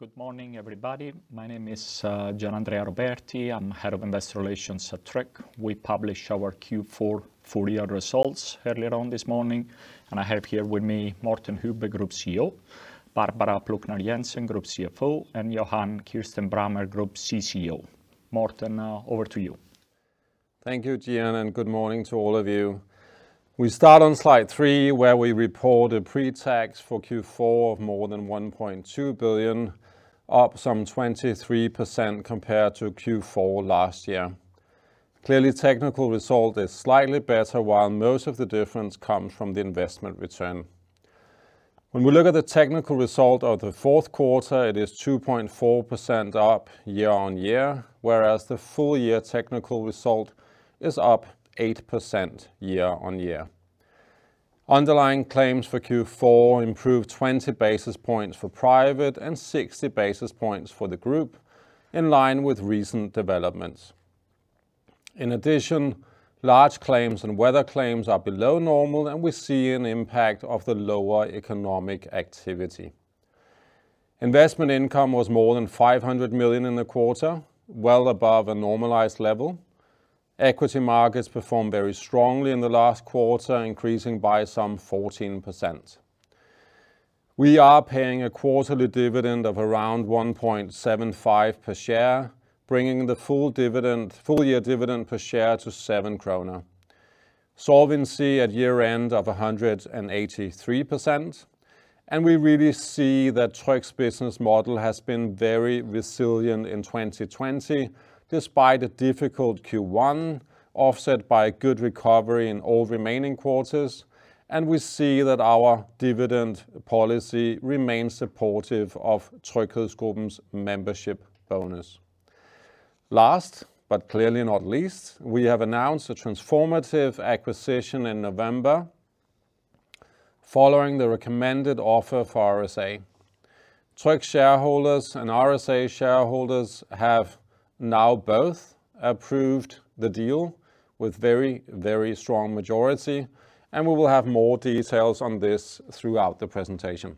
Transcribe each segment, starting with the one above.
Good morning, everybody. My name is Gianandrea Roberti. I'm Head of Investor Relations at Tryg. We published our Q4 full year results earlier on this morning, and I have here with me Morten Hübbe, Group CEO, Barbara Plucnar Jensen, Group CFO, and Johan Kirstein Brammer, Group CCO. Morten, over to you. Thank you, Gian, good morning to all of you. We start on slide three, where we report a pre-tax for Q4 of more than 1.2 billion, up some 23% compared to Q4 last year. Clearly, technical result is slightly better while most of the difference comes from the investment return. When we look at the technical result of the fourth quarter, it is 2.4% up year-on-year, whereas the full year technical result is up 8% year-on-year. Underlying claims for Q4 improved 20 basis points for private and 60 basis points for the group, in line with recent developments. In addition, large claims and weather claims are below normal, and we see an impact of the lower economic activity. Investment income was more than 500 million in the quarter, well above a normalized level. Equity markets performed very strongly in the last quarter, increasing by some 14%. We are paying a quarterly dividend of around 1.75 per share, bringing the full year dividend per share to 7 kroner. Solvency at year-end of 183%. We really see that Tryg's business model has been very resilient in 2020, despite a difficult Q1, offset by a good recovery in all remaining quarters. We see that our dividend policy remains supportive of TryghedsGruppen membership bonus. Last, but clearly not least, we have announced a transformative acquisition in November following the recommended offer for RSA. Tryg shareholders and RSA shareholders have now both approved the deal with very strong majority, and we will have more details on this throughout the presentation.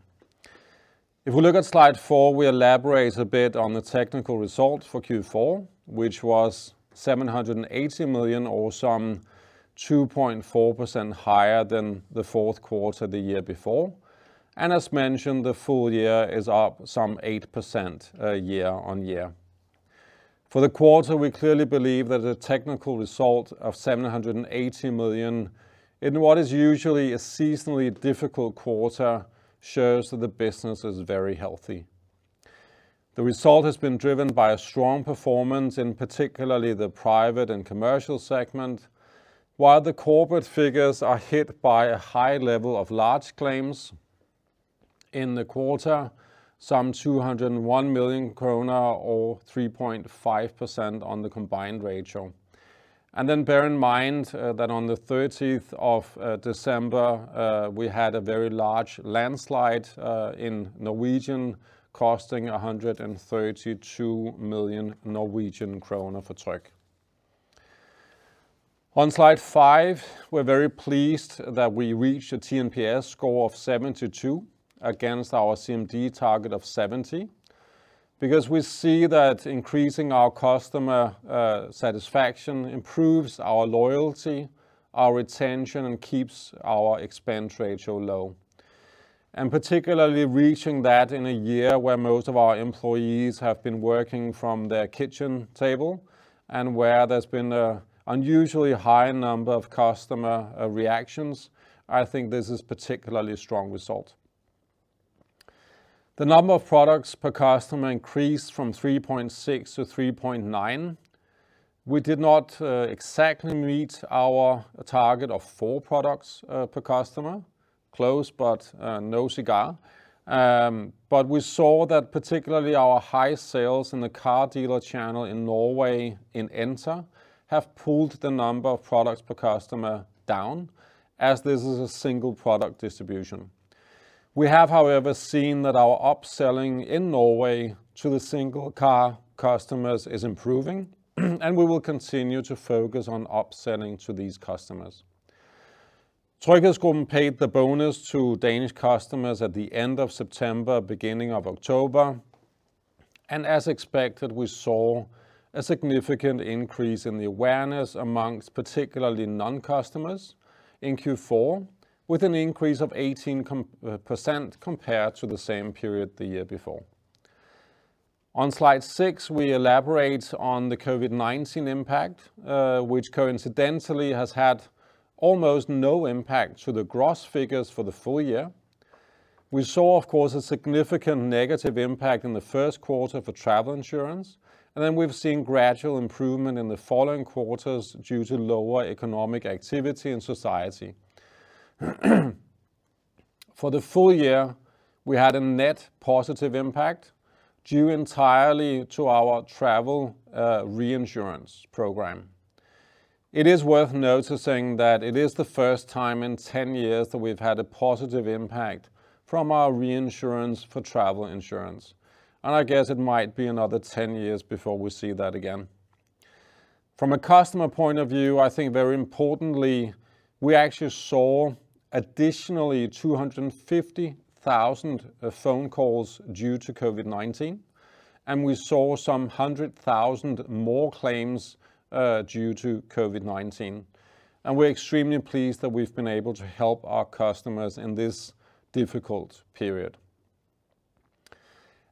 If we look at slide four, we elaborate a bit on the technical result for Q4, which was 780 million or some 2.4% higher than the fourth quarter the year before. As mentioned, the full year is up some 8% year-on-year. For the quarter, we clearly believe that a technical result of 780 million in what is usually a seasonally difficult quarter shows that the business is very healthy. The result has been driven by a strong performance in particularly the private and commercial segment, while the corporate figures are hit by a high level of large claims in the quarter, some 201 million kroner or 3.5% on the combined ratio. Bear in mind that on the 30th of December, we had a very large landslide in Norwegian costing 132 million Norwegian kroner for Tryg. On slide five, we're very pleased that we reached a TNPS score of 72 against our CMD target of 70 because we see that increasing our customer satisfaction improves our loyalty, our retention, and keeps our expense ratio low. Particularly reaching that in a year where most of our employees have been working from their kitchen table and where there's been an unusually high number of customer reactions, I think this is particularly strong result. The number of products per customer increased from 3.6 to 3.9. We did not exactly meet our target of four products per customer. Close, no cigar. We saw that particularly our high sales in the car dealer channel in Norway in Enter have pulled the number of products per customer down, as this is a single product distribution. We have, however, seen that our upselling in Norway to the single car customers is improving, and we will continue to focus on upselling to these customers. TryghedsGruppen paid the bonus to Danish customers at the end of September, beginning of October, and as expected, we saw a significant increase in the awareness amongst particularly non-customers in Q4, with an increase of 18% compared to the same period the year before. On slide six, we elaborate on the COVID-19 impact, which coincidentally has had almost no impact to the gross figures for the full year. We saw, of course, a significant negative impact in the first quarter for travel insurance, and then we've seen gradual improvement in the following quarters due to lower economic activity in society. For the full year, we had a net positive impact due entirely to our travel reinsurance program. It is worth noticing that it is the first time in 10 years that we've had a positive impact from our reinsurance for travel insurance, and I guess it might be another 10 years before we see that again. From a customer point of view, I think very importantly, we actually saw additionally 250,000 phone calls due to COVID-19. We saw some 100,000 more claims due to COVID-19. We're extremely pleased that we've been able to help our customers in this difficult period.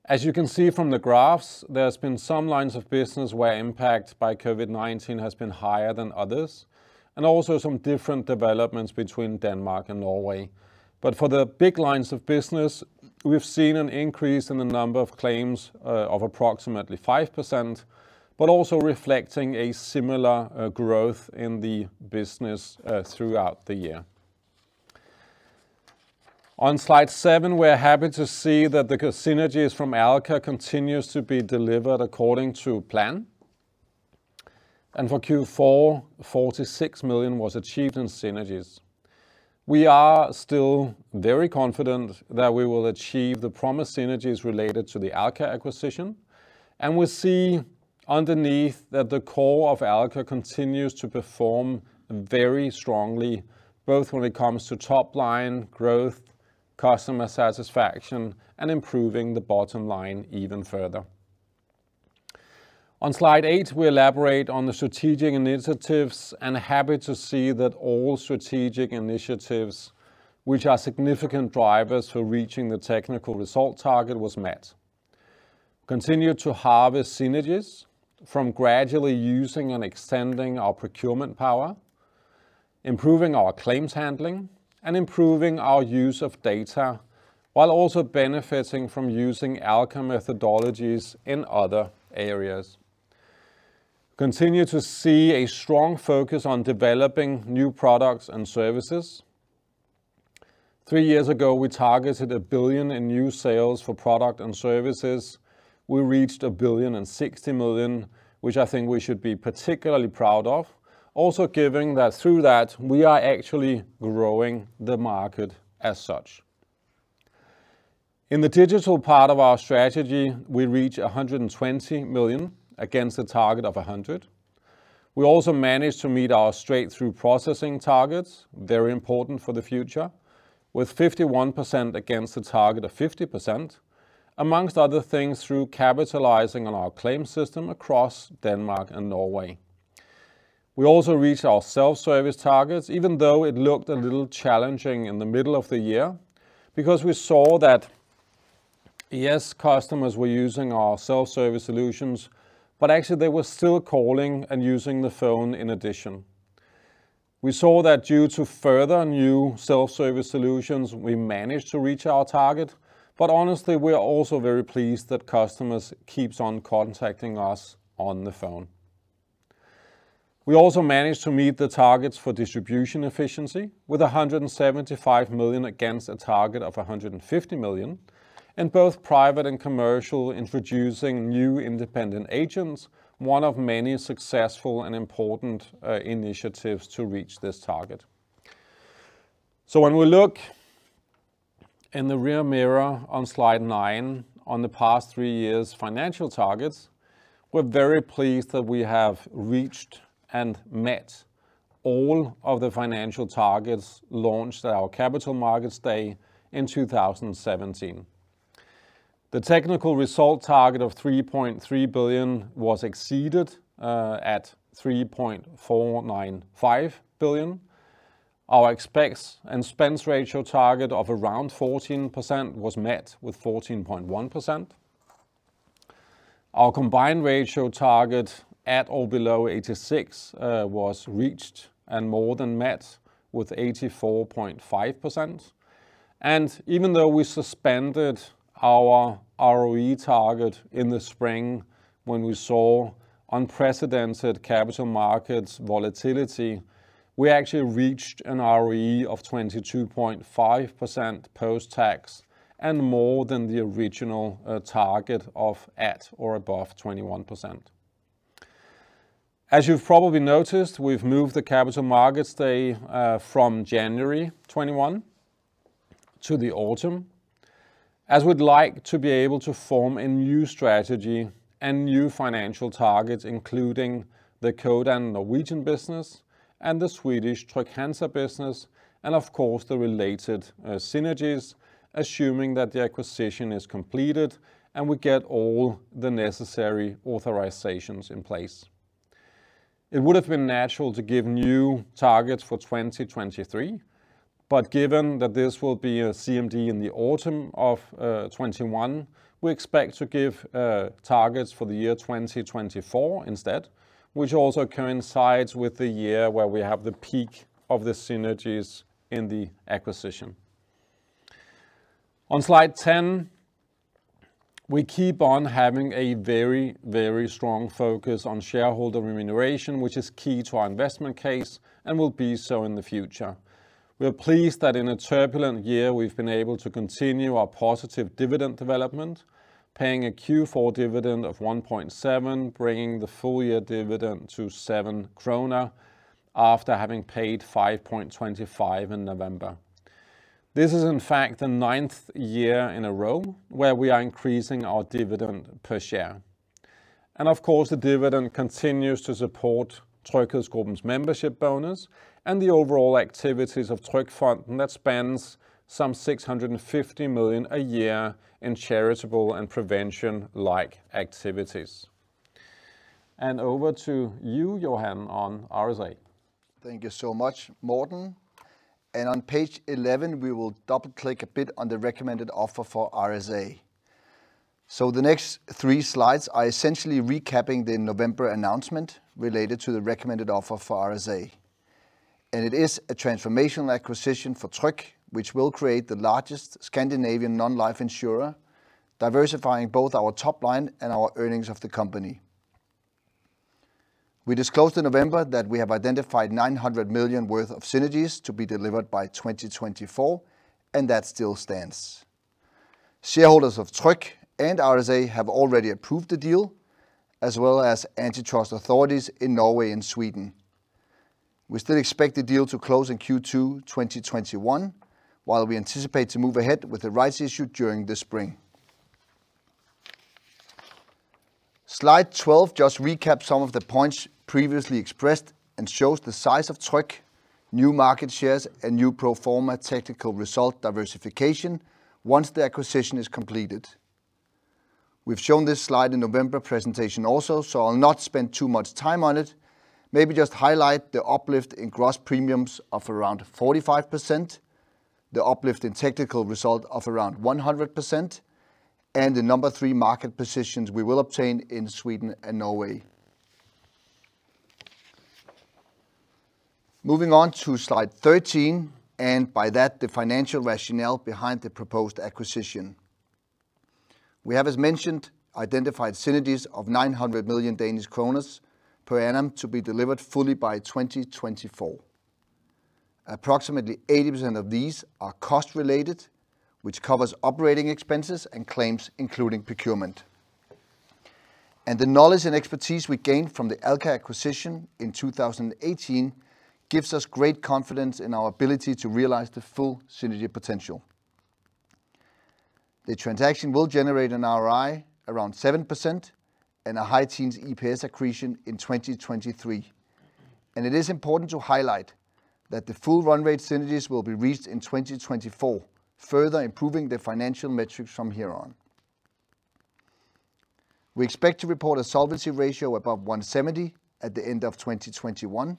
As you can see from the graphs, there's been some lines of business where impact by COVID-19 has been higher than others, and also some different developments between Denmark and Norway. For the big lines of business, we've seen an increase in the number of claims of approximately 5%, but also reflecting a similar growth in the business throughout the year. On slide seven, we are happy to see that the synergies from Alka continues to be delivered according to plan. For Q4, 46 million was achieved in synergies. We are still very confident that we will achieve the promised synergies related to the Alka acquisition. We see underneath that the core of Alka continues to perform very strongly, both when it comes to top-line growth, customer satisfaction, and improving the bottom line even further. On slide eight, we elaborate on the strategic initiatives, and happy to see that all strategic initiatives, which are significant drivers for reaching the technical result target, was met. Continue to harvest synergies from gradually using and extending our procurement power, improving our claims handling, and improving our use of data while also benefiting from using outcome methodologies in other areas. Continue to see a strong focus on developing new products and services. Three years ago, we targeted 1 billion in new sales for product and services. We reached 1,060 million, which I think we should be particularly proud of. Also given that through that, we are actually growing the market as such. In the digital part of our strategy, we reach 120 million against a target of 100 million. We also managed to meet our straight-through processing targets, very important for the future, with 51% against a target of 50%, amongst other things, through capitalizing on our claim system across Denmark and Norway. We also reach our self-service targets, even though it looked a little challenging in the middle of the year because we saw that, yes, customers were using our self-service solutions, but actually they were still calling and using the phone in addition. We saw that due to further new self-service solutions, we managed to reach our target, but honestly, we are also very pleased that customers keeps on contacting us on the phone. We also managed to meet the targets for distribution efficiency with 175 million against a target of 150 million, in both private and commercial introducing new independent agents, one of many successful and important initiatives to reach this target. When we look in the rear mirror on slide nine on the past three years' financial targets, we're very pleased that we have reached and met all of the financial targets launched at our Capital Markets Day in 2017. The technical result target of 3.3 billion was exceeded at 3.495 billion. Our expense ratio target of around 14% was met with 14.1%. Our combined ratio target at or below 86 was reached and more than met with 84.5%. Even though we suspended our ROE target in the spring when we saw unprecedented capital markets volatility, we actually reached an ROE of 22.5% post-tax and more than the original target of at or above 21%. As you've probably noticed, we've moved the Capital Markets Day from January 2021 to the autumn, as we'd like to be able to form a new strategy and new financial targets, including the Codan Norwegian business and the Swedish Trygg-Hansa business, and of course, the related synergies, assuming that the acquisition is completed, and we get all the necessary authorizations in place. It would have been natural to give new targets for 2023, but given that this will be a CMD in the autumn of 2021, we expect to give targets for the year 2024 instead, which also coincides with the year where we have the peak of the synergies in the acquisition. On slide 10, we keep on having a very strong focus on shareholder remuneration, which is key to our investment case and will be so in the future. We are pleased that in a turbulent year, we've been able to continue our positive dividend development, paying a Q4 dividend of 1.7, bringing the full-year dividend to 7 krone after having paid 5.25 in November. This is in fact the ninth year in a row where we are increasing our dividend per share. Of course, the dividend continues to support TryghedsGruppen's membership bonus and the overall activities of TrygFonden that spends some 650 million a year in charitable and prevention-like activities. Over to you, Johan, on RSA. Thank you so much, Morten. On page 11, we will double-click a bit on the recommended offer for RSA. The next three slides are essentially recapping the November announcement related to the recommended offer for RSA. It is a transformational acquisition for Tryg, which will create the largest Scandinavian non-life insurer, diversifying both our top line and our earnings of the company. We disclosed in November that we have identified 900 million worth of synergies to be delivered by 2024, and that still stands. Shareholders of Tryg and RSA have already approved the deal, as well as antitrust authorities in Norway and Sweden. We still expect the deal to close in Q2 2021, while we anticipate to move ahead with the rights issue during the spring. Slide 12 just recaps some of the points previously expressed and shows the size of Tryg, new market shares, and new pro forma technical result diversification once the acquisition is completed. I'll not spend too much time on it, maybe just highlight the uplift in gross premiums of around 45%, the uplift in technical result of around 100%, and the number 3 market positions we will obtain in Sweden and Norway. Moving on to slide 13, by that, the financial rationale behind the proposed acquisition. We have, as mentioned, identified synergies of 900 million Danish kroner per annum to be delivered fully by 2024. Approximately 80% of these are cost related, which covers operating expenses and claims, including procurement. The knowledge and expertise we gained from the Alka acquisition in 2018 gives us great confidence in our ability to realize the full synergy potential. The transaction will generate an ROI around 7% and a high teens EPS accretion in 2023. It is important to highlight that the full run rate synergies will be reached in 2024, further improving the financial metrics from here on. We expect to report a solvency ratio above 170 at the end of 2021,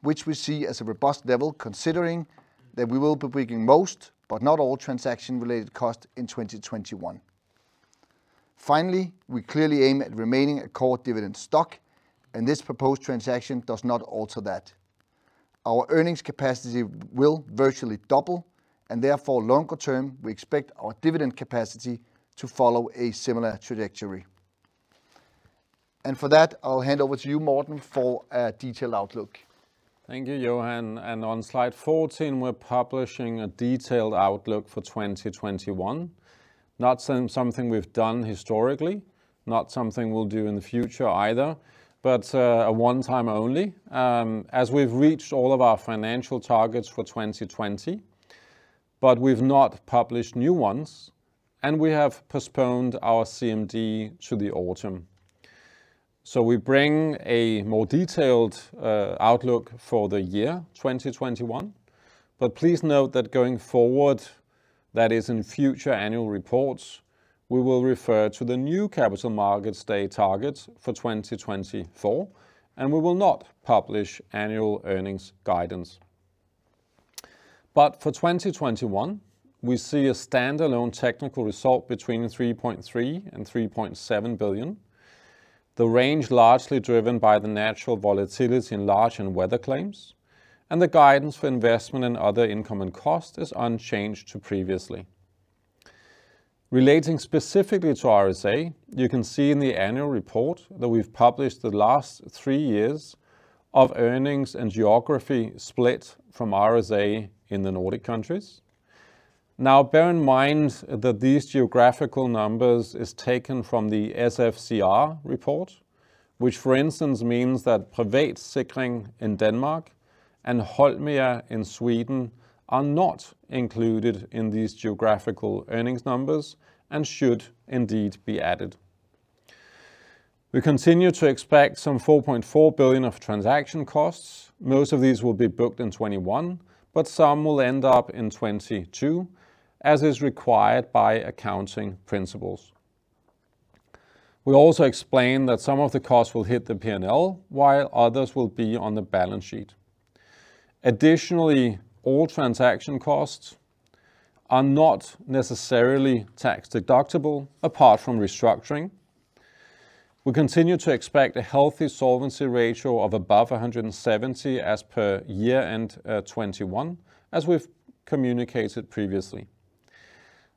which we see as a robust level considering that we will be breaking most, but not all, transaction-related costs in 2021. Finally, we clearly aim at remaining a core dividend stock, and this proposed transaction does not alter that. Our earnings capacity will virtually double, and therefore longer term, we expect our dividend capacity to follow a similar trajectory. For that, I'll hand over to you, Morten, for a detailed outlook. Thank you, Johan. On slide 14, we're publishing a detailed outlook for 2021. Not something we've done historically, not something we'll do in the future either, but a one-time only, as we've reached all of our financial targets for 2020, but we've not published new ones, and we have postponed our CMD to the autumn. We bring a more detailed outlook for the year 2021. Please note that going forward, that is in future annual reports, we will refer to the new Capital Markets Day targets for 2024, and we will not publish annual earnings guidance. For 2021, we see a standalone technical result between 3.3 billion and 3.7 billion. The range largely driven by the natural volatility in large and weather claims, and the guidance for investment and other income and cost is unchanged to previously. Relating specifically to RSA, you can see in the annual report that we've published the last three years of earnings and geography split from RSA in the Nordic countries. Now bear in mind that these geographical numbers is taken from the SFCR report, which, for instance, means that Privatsikring in Denmark and Holmia in Sweden are not included in these geographical earnings numbers and should indeed be added. We continue to expect some 4.4 billion of transaction costs. Most of these will be booked in 2021, but some will end up in 2022, as is required by accounting principles. We also explain that some of the costs will hit the P&L, while others will be on the balance sheet. Additionally, all transaction costs are not necessarily tax deductible apart from restructuring. We continue to expect a healthy solvency ratio of above 170 as per year-end 2021, as we've communicated previously.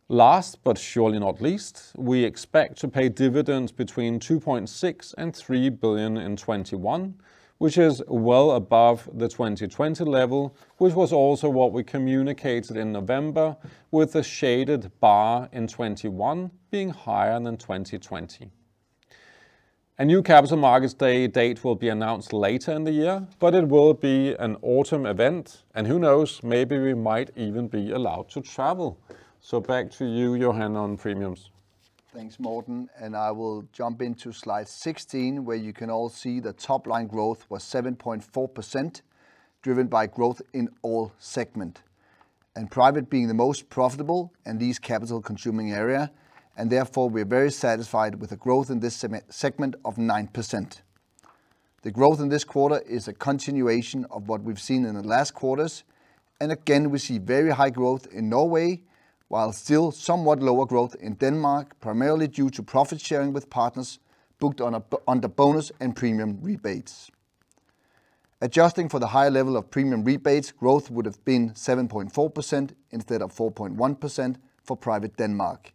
Last, but surely not least, we expect to pay dividends between 2.6 billion and 3 billion in 2021, which is well above the 2020 level, which was also what we communicated in November with the shaded bar in 2021 being higher than 2020. A new Capital Markets Day date will be announced later in the year, it will be an autumn event. Who knows, maybe we might even be allowed to travel. Back to you, Johan, on premiums. Thanks, Morten. I will jump into slide 16 where you can all see the top-line growth was 7.4%, driven by growth in all segment. Private being the most profitable and least capital-consuming area, and therefore, we are very satisfied with the growth in this segment of 9%. The growth in this quarter is a continuation of what we've seen in the last quarters. Again, we see very high growth in Norway, while still somewhat lower growth in Denmark, primarily due to profit sharing with partners booked under bonus and premium rebates. Adjusting for the high level of premium rebates, growth would have been 7.4% instead of 4.1% for Private Denmark.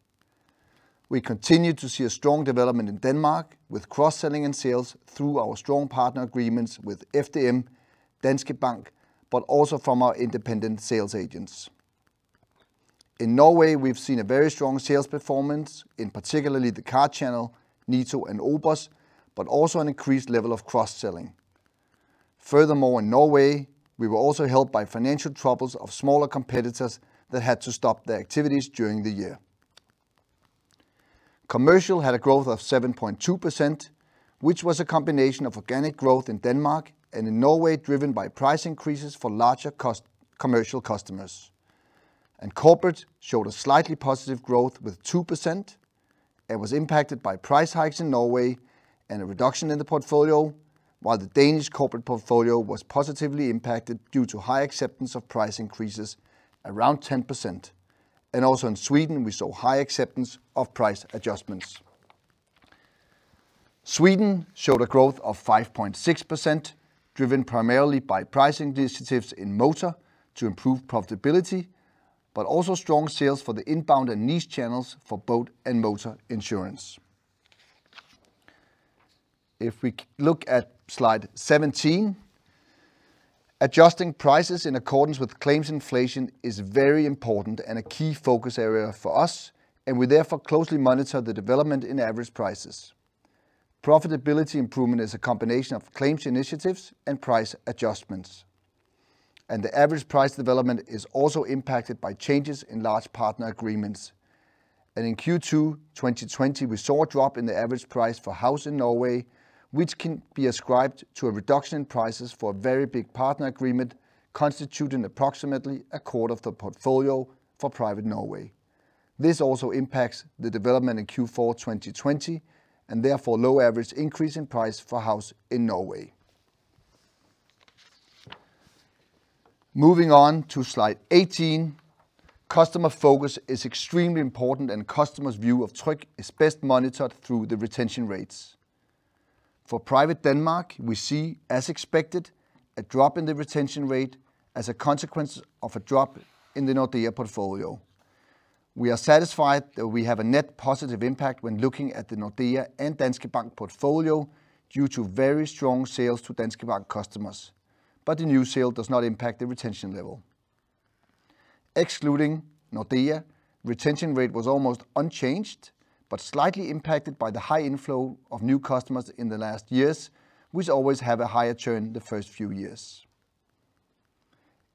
We continue to see a strong development in Denmark with cross-selling and sales through our strong partner agreements with FDM, Danske Bank, but also from our independent sales agents. In Norway, we've seen a very strong sales performance in particularly the car channel, NITO and OBOS, but also an increased level of cross-selling. Furthermore, in Norway, we were also helped by financial troubles of smaller competitors that had to stop their activities during the year. Commercial had a growth of 7.2%, which was a combination of organic growth in Denmark and in Norway, driven by price increases for larger commercial customers. Corporate showed a slightly positive growth with 2% and was impacted by price hikes in Norway and a reduction in the portfolio, while the Danish corporate portfolio was positively impacted due to high acceptance of price increases around 10%. Also in Sweden, we saw high acceptance of price adjustments. Sweden showed a growth of 5.6%, driven primarily by price initiatives in motor to improve profitability, but also strong sales for the inbound and niche channels for boat and motor insurance. If we look at slide 17, adjusting prices in accordance with claims inflation is very important and a key focus area for us, and we therefore closely monitor the development in average prices. Profitability improvement is a combination of claims initiatives and price adjustments. The average price development is also impacted by changes in large partner agreements. In Q2 2020, we saw a drop in the average price for house in Norway, which can be ascribed to a reduction in prices for a very big partner agreement constituting approximately a quarter of the portfolio for Private Norway. This also impacts the development in Q4 2020, and therefore lower average increase in price for house in Norway. Moving on to slide 18. Customer focus is extremely important, and customers' view of Tryg is best monitored through the retention rates. For Private Denmark, we see, as expected, a drop in the retention rate as a consequence of a drop in the Nordea portfolio. We are satisfied that we have a net positive impact when looking at the Nordea and Danske Bank portfolio due to very strong sales to Danske Bank customers, but the new sale does not impact the retention level. Excluding Nordea, retention rate was almost unchanged but slightly impacted by the high inflow of new customers in the last years, which always have a higher churn the first few years.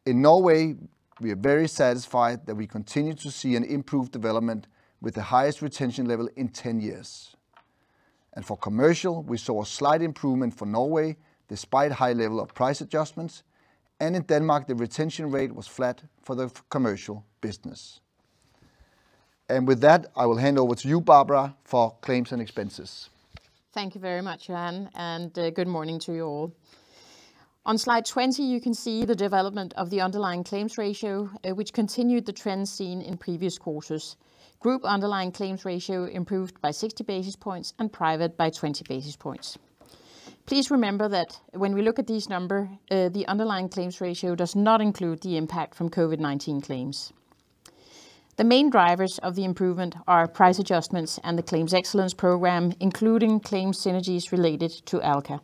In Norway, we are very satisfied that we continue to see an improved development with the highest retention level in 10 years. For Commercial, we saw a slight improvement for Norway despite high level of price adjustments, and in Denmark, the retention rate was flat for the Commercial business. With that, I will hand over to you, Barbara, for claims and expenses. Thank you very much, Johan, and good morning to you all. On slide 20, you can see the development of the underlying claims ratio, which continued the trend seen in previous quarters. Group underlying claims ratio improved by 60 basis points and private by 20 basis points. Please remember that when we look at this number, the underlying claims ratio does not include the impact from COVID-19 claims. The main drivers of the improvement are price adjustments and the claims excellence program, including claims synergies related to Alka.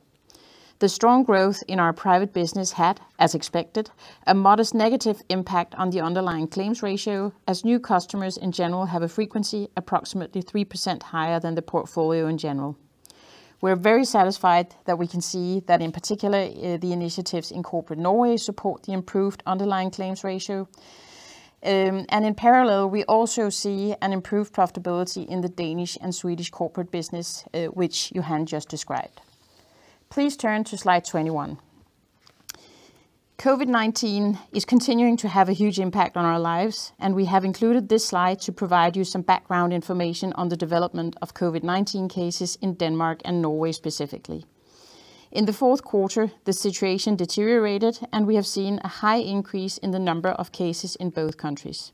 The strong growth in our private business had, as expected, a modest negative impact on the underlying claims ratio as new customers, in general, have a frequency approximately 3% higher than the portfolio in general. We're very satisfied that we can see that in particular, the initiatives in Corporate Norway support the improved underlying claims ratio. In parallel, we also see an improved profitability in the Danish and Swedish corporate business, which Johan just described. Please turn to slide 21. COVID-19 is continuing to have a huge impact on our lives, and we have included this slide to provide you some background information on the development of COVID-19 cases in Denmark and Norway specifically. In the fourth quarter, the situation deteriorated, and we have seen a high increase in the number of cases in both countries.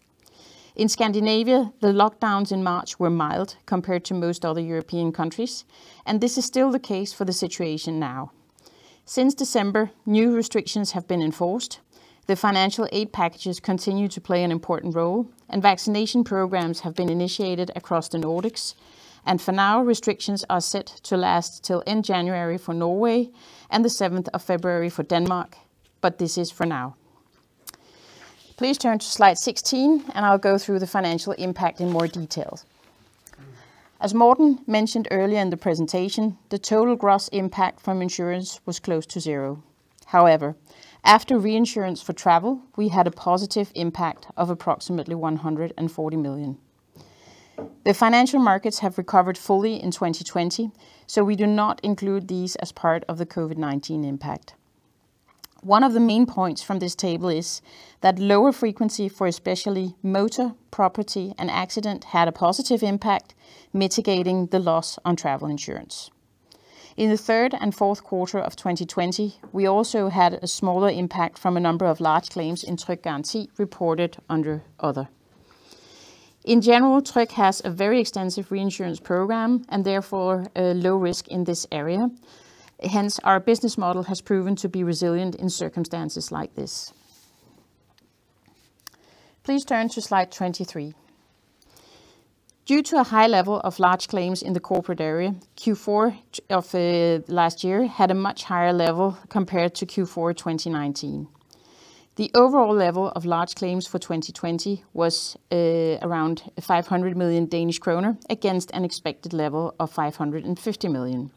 In Scandinavia, the lockdowns in March were mild compared to most other European countries, and this is still the case for the situation now. Since December, new restrictions have been enforced. The financial aid packages continue to play an important role, and vaccination programs have been initiated across the Nordics. For now, restrictions are set to last till end January for Norway and the 7th of February for Denmark. This is for now. Please turn to slide 16, and I will go through the financial impact in more details. As Morten mentioned earlier in the presentation, the total gross impact from insurance was close to zero. However, after reinsurance for travel, we had a positive impact of approximately 140 million. The financial markets have recovered fully in 2020, we do not include these as part of the COVID-19 impact. One of the main points from this table is that lower frequency for especially motor, property, and accident had a positive impact, mitigating the loss on travel insurance. In the third and fourth quarter of 2020, we also had a smaller impact from a number of large claims in Tryg Garanti reported under other. In general, Tryg has a very extensive reinsurance program and therefore a low risk in this area. Hence, our business model has proven to be resilient in circumstances like this. Please turn to slide 23. Due to a high level of large claims in the corporate area, Q4 of last year had a much higher level compared to Q4 2019. The overall level of large claims for 2020 was around 500 million Danish kroner against an expected level of 550 million.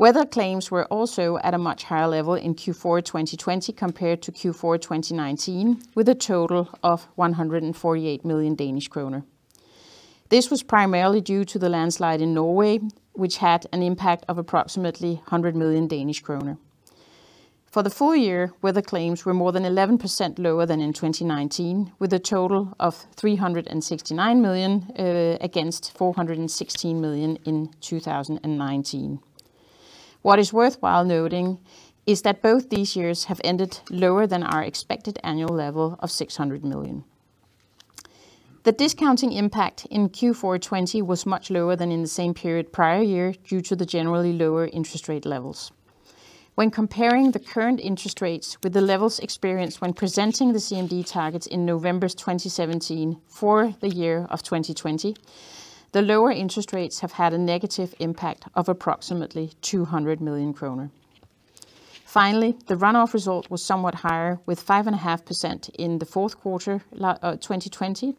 Weather claims were also at a much higher level in Q4 2020 compared to Q4 2019, with a total of 148 million Danish kroner. This was primarily due to the landslide in Norway, which had an impact of approximately 100 million Danish kroner. For the full year, weather claims were more than 11% lower than in 2019, with a total of 369 million against 416 million in 2019. What is worthwhile noting is that both these years have ended lower than our expected annual level of 600 million. The discounting impact in Q4 2020 was much lower than in the same period prior year due to the generally lower interest rate levels. When comparing the current interest rates with the levels experienced when presenting the CMD targets in November 2017 for the year of 2020, the lower interest rates have had a negative impact of approximately 200 million kroner. Finally, the run-off result was somewhat higher, with 5.5% in the fourth quarter 2020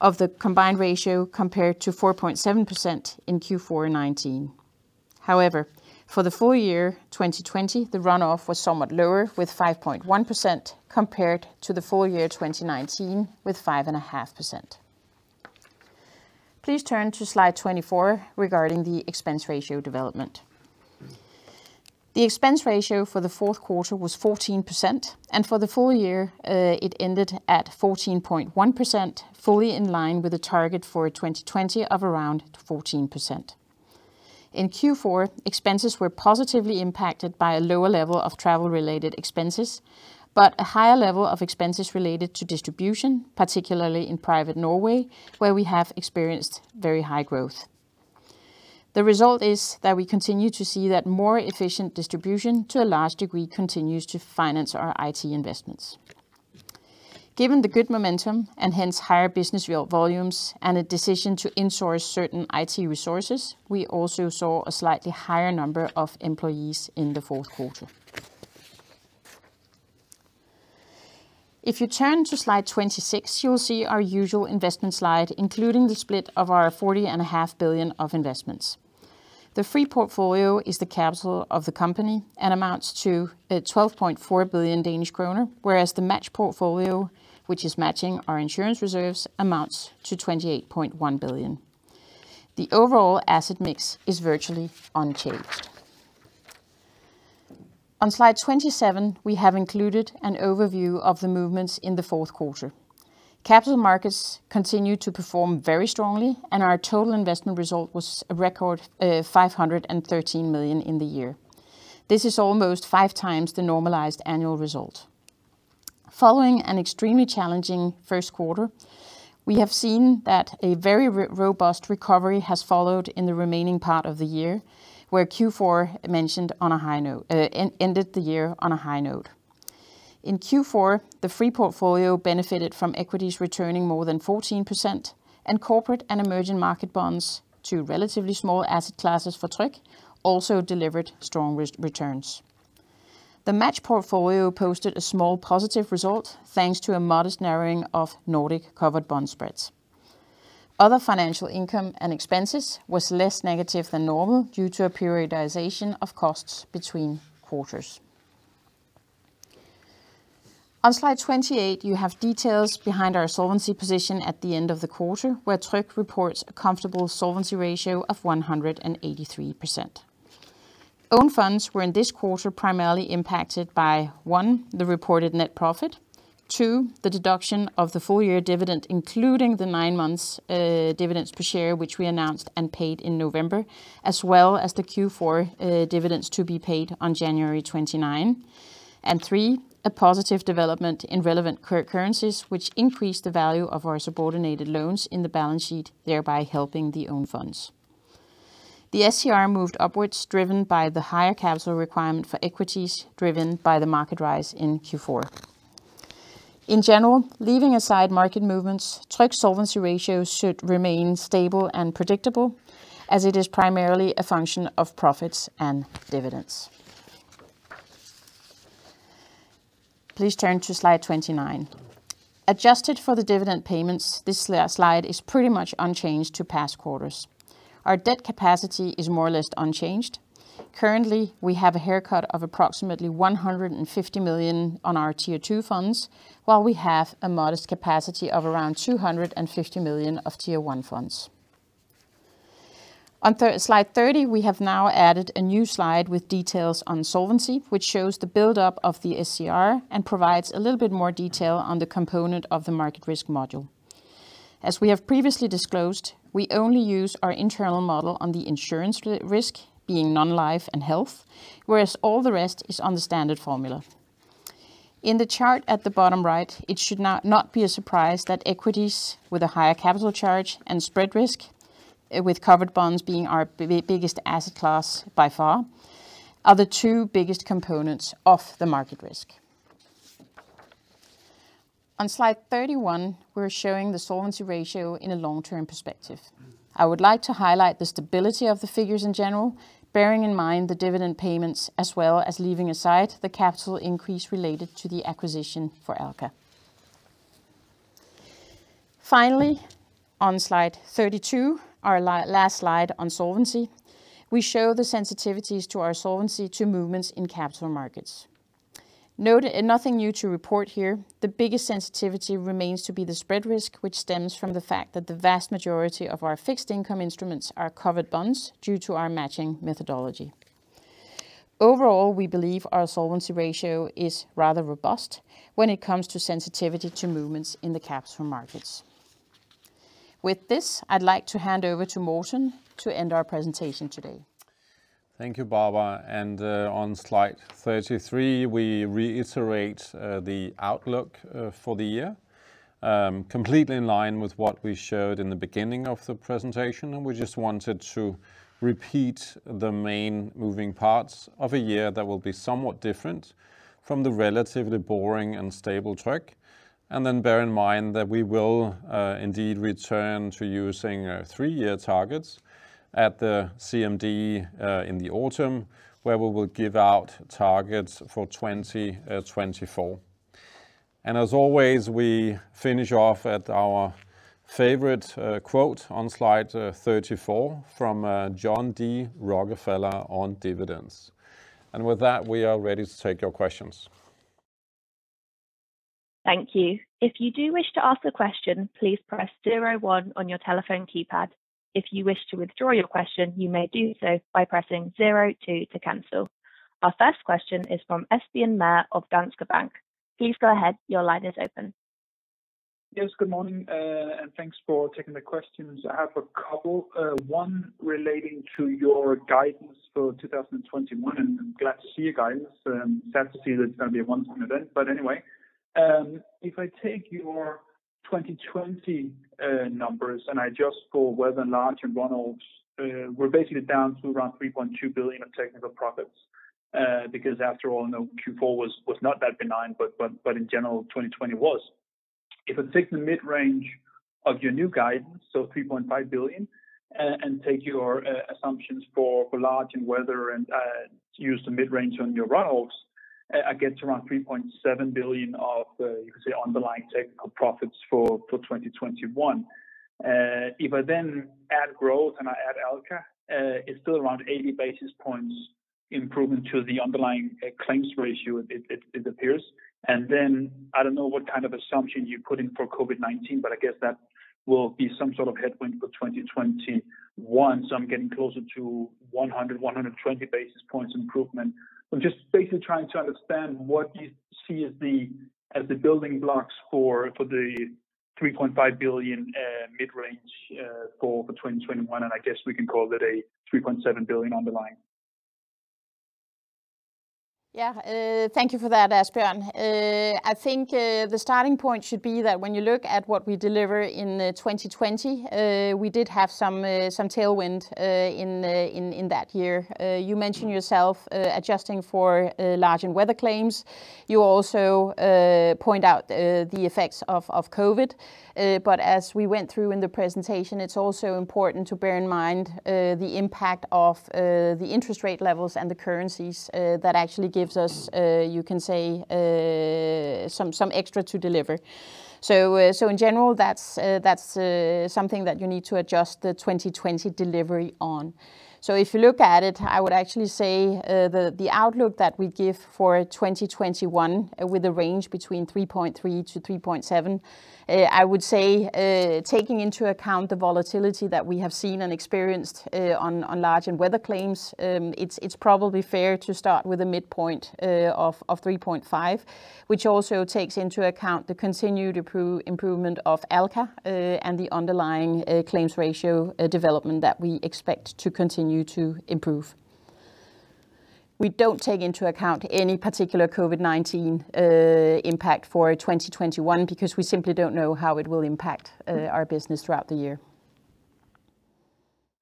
of the combined ratio, compared to 4.7% in Q4 2019. However, for the full year 2020, the run-off was somewhat lower, with 5.1% compared to the full year 2019 with 5.5%. Please turn to slide 24 regarding the expense ratio development. The expense ratio for the fourth quarter was 14%, and for the full year, it ended at 14.1%, fully in line with the target for 2020 of around 14%. In Q4, expenses were positively impacted by a lower level of travel related expenses, but a higher level of expenses related to distribution, particularly in private Norway, where we have experienced very high growth. The result is that we continue to see that more efficient distribution to a large degree continues to finance our IT investments. Given the good momentum and hence higher business volumes and a decision to insource certain IT resources, we also saw a slightly higher number of employees in the fourth quarter. If you turn to slide 26, you will see our usual investment slide, including the split of our 40.5 billion of investments. The free portfolio is the capital of the company and amounts to 12.4 billion Danish kroner, whereas the match portfolio, which is matching our insurance reserves, amounts to 28.1 billion. The overall asset mix is virtually unchanged. On slide 27, we have included an overview of the movements in the fourth quarter. Capital markets continue to perform very strongly. Our total investment result was a record 513 million in the year. This is almost five times the normalized annual result. Following an extremely challenging first quarter, we have seen that a very robust recovery has followed in the remaining part of the year, where Q4 ended the year on a high note. In Q4, the free portfolio benefited from equities returning more than 14%, and corporate and emerging market bonds to relatively small asset classes for Tryg also delivered strong risk returns. The match portfolio posted a small positive result thanks to a modest narrowing of Nordic covered bond spreads. Other financial income and expenses was less negative than normal due to a periodization of costs between quarters. On slide 28, you have details behind our solvency position at the end of the quarter, where Tryg reports a comfortable solvency ratio of 183%. Own funds were in this quarter primarily impacted by, one, the reported net profit, two, the deduction of the full year dividend, including the nine months dividends per share, which we announced and paid in November, as well as the Q4 dividends to be paid on January 29, and three, a positive development in relevant currencies, which increased the value of our subordinated loans in the balance sheet, thereby helping the own funds. The SCR moved upwards, driven by the higher capital requirement for equities driven by the market rise in Q4. In general, leaving aside market movements, Tryg solvency ratio should remain stable and predictable, as it is primarily a function of profits and dividends. Please turn to slide 29. Adjusted for the dividend payments, this slide is pretty much unchanged to past quarters. Our debt capacity is more or less unchanged. Currently, we have a haircut of approximately 150 million on our Tier 2 funds, while we have a modest capacity of around 250 million of Tier 1 funds. On slide 30, we have now added a new slide with details on solvency, which shows the buildup of the SCR and provides a little bit more detail on the component of the market risk module. As we have previously disclosed, we only use our internal model on the insurance risk, being non-life and health, whereas all the rest is on the standard formula. In the chart at the bottom right, it should not be a surprise that equities with a higher capital charge and spread risk, with covered bonds being our biggest asset class by far, are the two biggest components of the market risk. On slide 31, we're showing the solvency ratio in a long-term perspective. I would like to highlight the stability of the figures in general, bearing in mind the dividend payments, as well as leaving aside the capital increase related to the acquisition for Alka. Finally, on slide 32, our last slide on solvency, we show the sensitivities to our solvency to movements in capital markets. Nothing new to report here. The biggest sensitivity remains to be the spread risk, which stems from the fact that the vast majority of our fixed income instruments are covered bonds due to our matching methodology. Overall, we believe our solvency ratio is rather robust when it comes to sensitivity to movements in the capital markets. With this, I'd like to hand over to Morten to end our presentation today. Thank you, Barbara. On slide 33, we reiterate the outlook for the year. Completely in line with what we showed in the beginning of the presentation, we just wanted to repeat the main moving parts of a year that will be somewhat different from the relatively boring and stable track. Bear in mind that we will indeed return to using three-year targets at the CMD in the autumn, where we will give out targets for 2024. As always, we finish off at our favorite quote on slide 34 from John D. Rockefeller on dividends. With that, we are ready to take your questions. Thank you. If you do wish to ask a question, please press zero one on your telephone keypad. If you wish to withdraw your question, you may do so by pressing zero two to cancel. Our first question is from Asbjørn Mørk of Danske Bank. Please go ahead. Your line is open. Yes, good morning. Thanks for taking the questions. I have a couple. One relating to your guidance for 2021. I'm glad to see your guidance. Sad to see that it's going to be a one-time event. Anyway, if I take your 2020 numbers and adjust for weather and large and runoffs, we're basically down to around 3.2 billion of technical profits. After all, I know Q4 was not that benign, but in general, 2020 was. If I take the mid-range of your new guidance, 3.5 billion, take your assumptions for large and weather, use the mid-range on your runoffs, I get to around 3.7 billion of, you could say, underlying technical profits for 2021. If I then add growth and I add Alka, it's still around 80 basis points improvement to the underlying claims ratio, it appears. I don't know what kind of assumption you put in for COVID-19, but I guess that will be some sort of headwind for 2021. I'm getting closer to 100, 120 basis points improvement. I'm just basically trying to understand what you see as the building blocks for the 3.5 billion mid-range goal for 2021, and I guess we can call it a 3.7 billion underlying. Yeah. Thank you for that, Asbjørn. I think the starting point should be that when you look at what we deliver in 2020, we did have some tailwind in that year. You mentioned yourself adjusting for large and weather claims. You also point out the effects of COVID. As we went through in the presentation, it's also important to bear in mind the impact of the interest rate levels and the currencies. That actually gives us, you can say, some extra to deliver. In general, that's something that you need to adjust the 2020 delivery on. If you look at it, I would actually say the outlook that we give for 2021, with a range between 3.3%-3.7%, I would say taking into account the volatility that we have seen and experienced on large and weather claims, it's probably fair to start with a midpoint of 3.5%, which also takes into account the continued improvement of Alka and the underlying claims ratio development that we expect to continue to improve. We don't take into account any particular COVID-19 impact for 2021, because we simply don't know how it will impact our business throughout the year.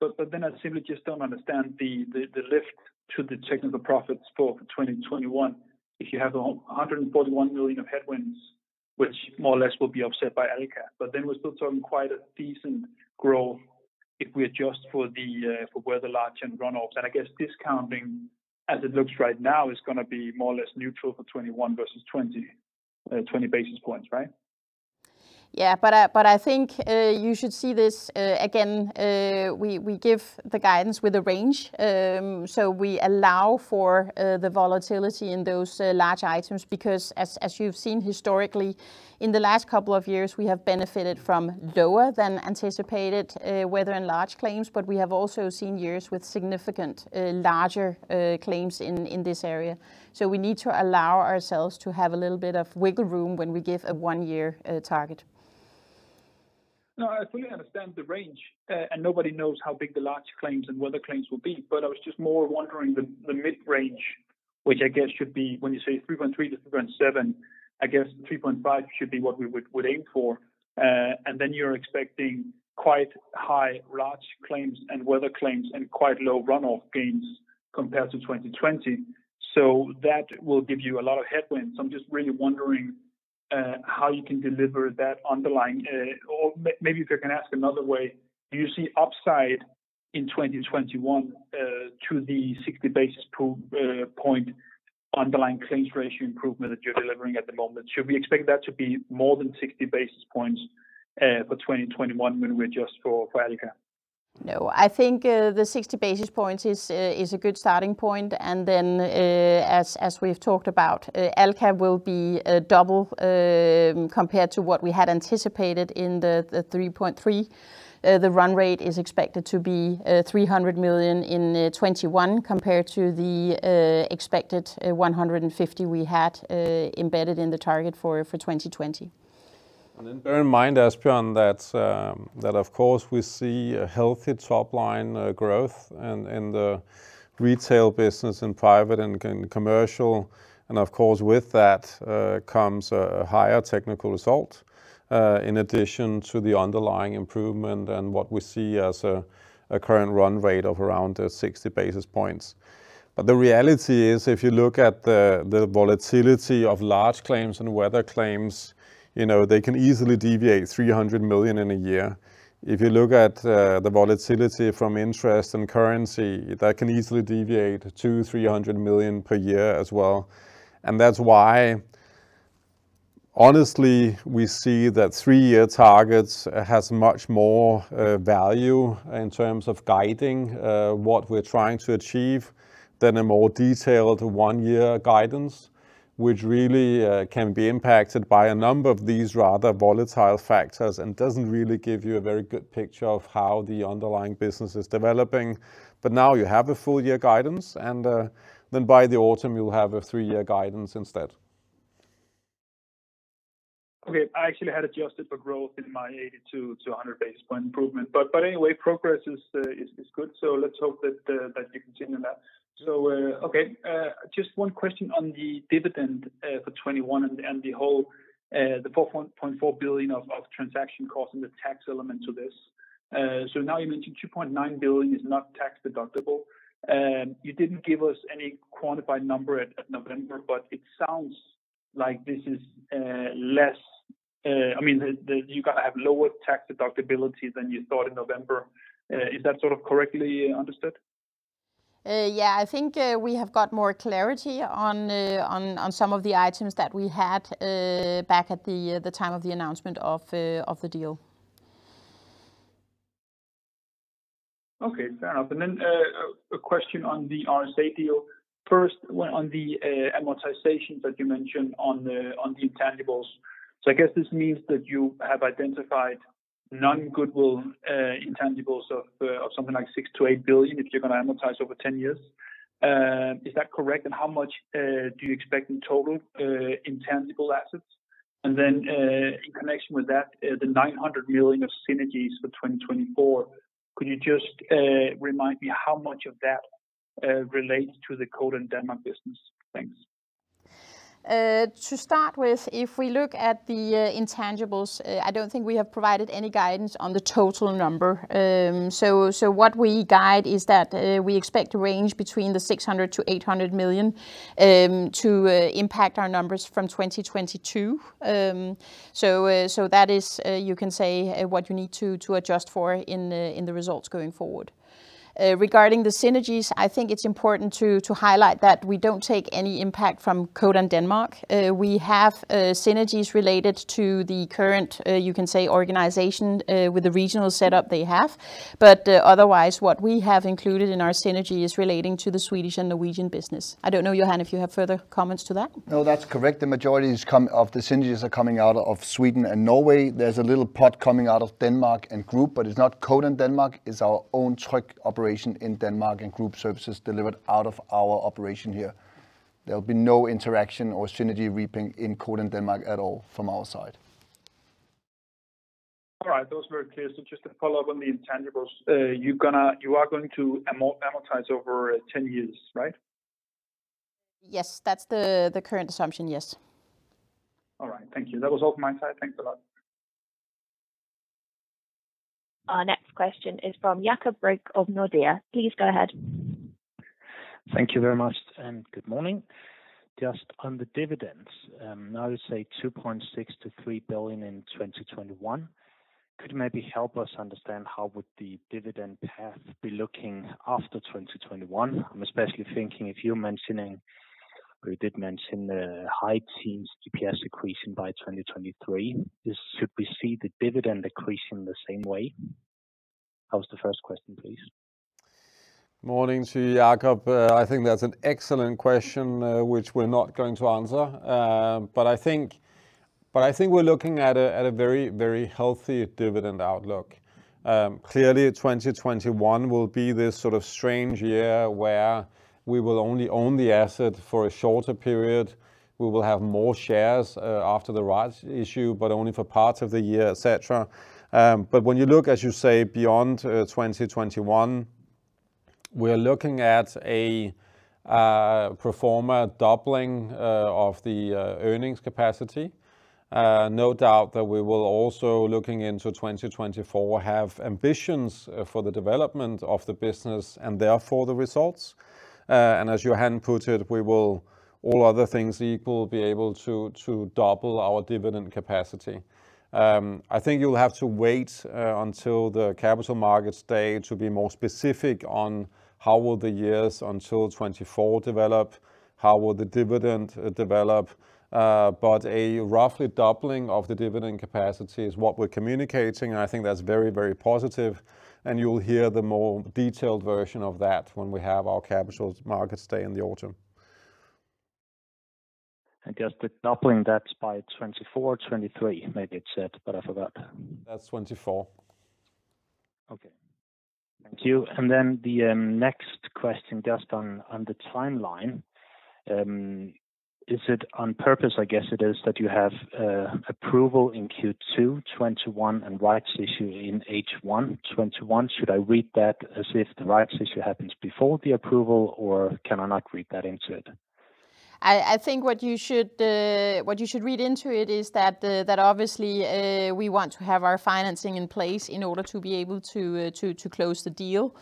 I simply just don't understand the lift to the technical profits for 2021. If you have 141 million of headwinds, which more or less will be offset by Alka, but then we're still talking quite a decent growth if we adjust for weather large and run-offs. I guess discounting, as it looks right now, is going to be more or less neutral for 2021 versus 20 basis points, right? Yeah, I think you should see this again, we give the guidance with a range. We allow for the volatility in those large items because as you've seen historically in the last couple of years, we have benefited from lower than anticipated weather and large claims, but we have also seen years with significant larger claims in this area. We need to allow ourselves to have a little bit of wiggle room when we give a one year target. No, I fully understand the range. Nobody knows how big the large claims and weather claims will be. I was just more wondering the mid-range, which I guess should be when you say 3.3%-3.7%, I guess 3.5% should be what we would aim for. Then you're expecting quite high large claims and weather claims and quite low run-off gains compared to 2020. That will give you a lot of headwinds. I'm just really wondering how you can deliver that underlying, or maybe if I can ask another way, do you see upside in 2021 to the 60 basis point underlying claims ratio improvement that you're delivering at the moment? Should we expect that to be more than 60 basis points for 2021 when we adjust for Alka? No, I think the 60 basis points is a good starting point. As we've talked about, Alka will be double compared to what we had anticipated in the 3.3%. The run rate is expected to be 300 million in 2021 compared to the expected 150 million we had embedded in the target for 2020. Bear in mind, Asbjørn, that of course we see a healthy top line growth in the retail business in private and commercial, and of course with that comes a higher technical result in addition to the underlying improvement and what we see as a current run rate of around 60 basis points. The reality is if you look at the volatility of large claims and weather claims, they can easily deviate 300 million in a year. If you look at the volatility from interest and currency, that can easily deviate 200 million, 300 million per year as well. That's why honestly, we see that three-year targets has much more value in terms of guiding what we're trying to achieve than a more detailed one-year guidance, which really can be impacted by a number of these rather volatile factors and doesn't really give you a very good picture of how the underlying business is developing. Now you have a full year guidance, and then by the autumn you'll have a three-year guidance instead. Okay. I actually had adjusted for growth in my 80-100 basis point improvement. Anyway, progress is good, let's hope that you continue that. Just one question on the dividend for 2021 and the whole 4.4 billion of transaction cost and the tax element to this. Now you mentioned 2.9 billion is not tax deductible. You didn't give us any quantified number at November, it sounds like this is less, you've got to have lower tax deductibility than you thought in November. Is that sort of correctly understood? Yeah, I think we have got more clarity on some of the items that we had back at the time of the announcement of the deal. Okay, fair enough. Then a question on the RSA deal. First, on the amortizations that you mentioned on the intangibles. I guess this means that you have identified non-goodwill intangibles of something like 6 billion-8 billion if you're going to amortize over 10 years. Is that correct? How much do you expect in total intangible assets? Then in connection with that, the 900 million of synergies for 2024, could you just remind me how much of that relates to the Codan Denmark business? Thanks. To start with, if we look at the intangibles, I don't think we have provided any guidance on the total number. What we guide is that we expect a range between 600 million-800 million to impact our numbers from 2022. That is, you can say, what you need to adjust for in the results going forward. Regarding the synergies, I think it's important to highlight that we don't take any impact from Codan Denmark. We have synergies related to the current, you can say, organization with the regional setup they have. Otherwise, what we have included in our synergy is relating to the Swedish and Norwegian business. I don't know, Johan, if you have further comments to that. No, that's correct. The majority of the synergies are coming out of Sweden and Norway. There's a little part coming out of Denmark and Group. It's not Codan Denmark, it's our own Tryg operation in Denmark and group services delivered out of our operation here. There'll be no interaction or synergy reaping in Codan Denmark at all from our side. All right. That was very clear. Just to follow up on the intangibles, you are going to amortize over 10 years, right? Yes, that's the current assumption. Yes. All right. Thank you. That was all from my side. Thanks a lot. Our next question is from Jakob Brink of Nordea. Please go ahead. Thank you very much, and good morning. Just on the dividends, now you say 2.6 billion-3 billion in 2021. Could you maybe help us understand how would the dividend path be looking after 2021? I'm especially thinking if you did mention the high teens EPS decreasing by 2023. Should we see the dividend decreasing the same way? That was the first question, please. Morning to you, Jakob. I think that's an excellent question, which we're not going to answer. I think we're looking at a very healthy dividend outlook. Clearly, 2021 will be this sort of strange year where we will only own the asset for a shorter period. We will have more shares after the rights issue, but only for parts of the year, et cetera. When you look, as you say, beyond 2021, we are looking at a pro forma doubling of the earnings capacity. No doubt that we will also, looking into 2024, have ambitions for the development of the business and therefore the results. As Johan put it, we will, all other things equal, be able to double our dividend capacity. I think you'll have to wait until the Capital Markets Day to be more specific on how will the years until 2024 develop, how will the dividend develop. A roughly doubling of the dividend capacity is what we're communicating, and I think that's very positive, and you'll hear the more detailed version of that when we have our Capital Markets Day in the autumn. I guess the doubling, that's by 2024, 2023 maybe it said, but I forgot. That's 2024. Okay. Thank you. The next question just on the timeline. Is it on purpose, I guess it is, that you have approval in Q2 2021 and rights issue in H1 2021? Should I read that as if the rights issue happens before the approval, or can I not read that into it? I think what you should read into it is that obviously we want to have our financing in place in order to be able to close the deal.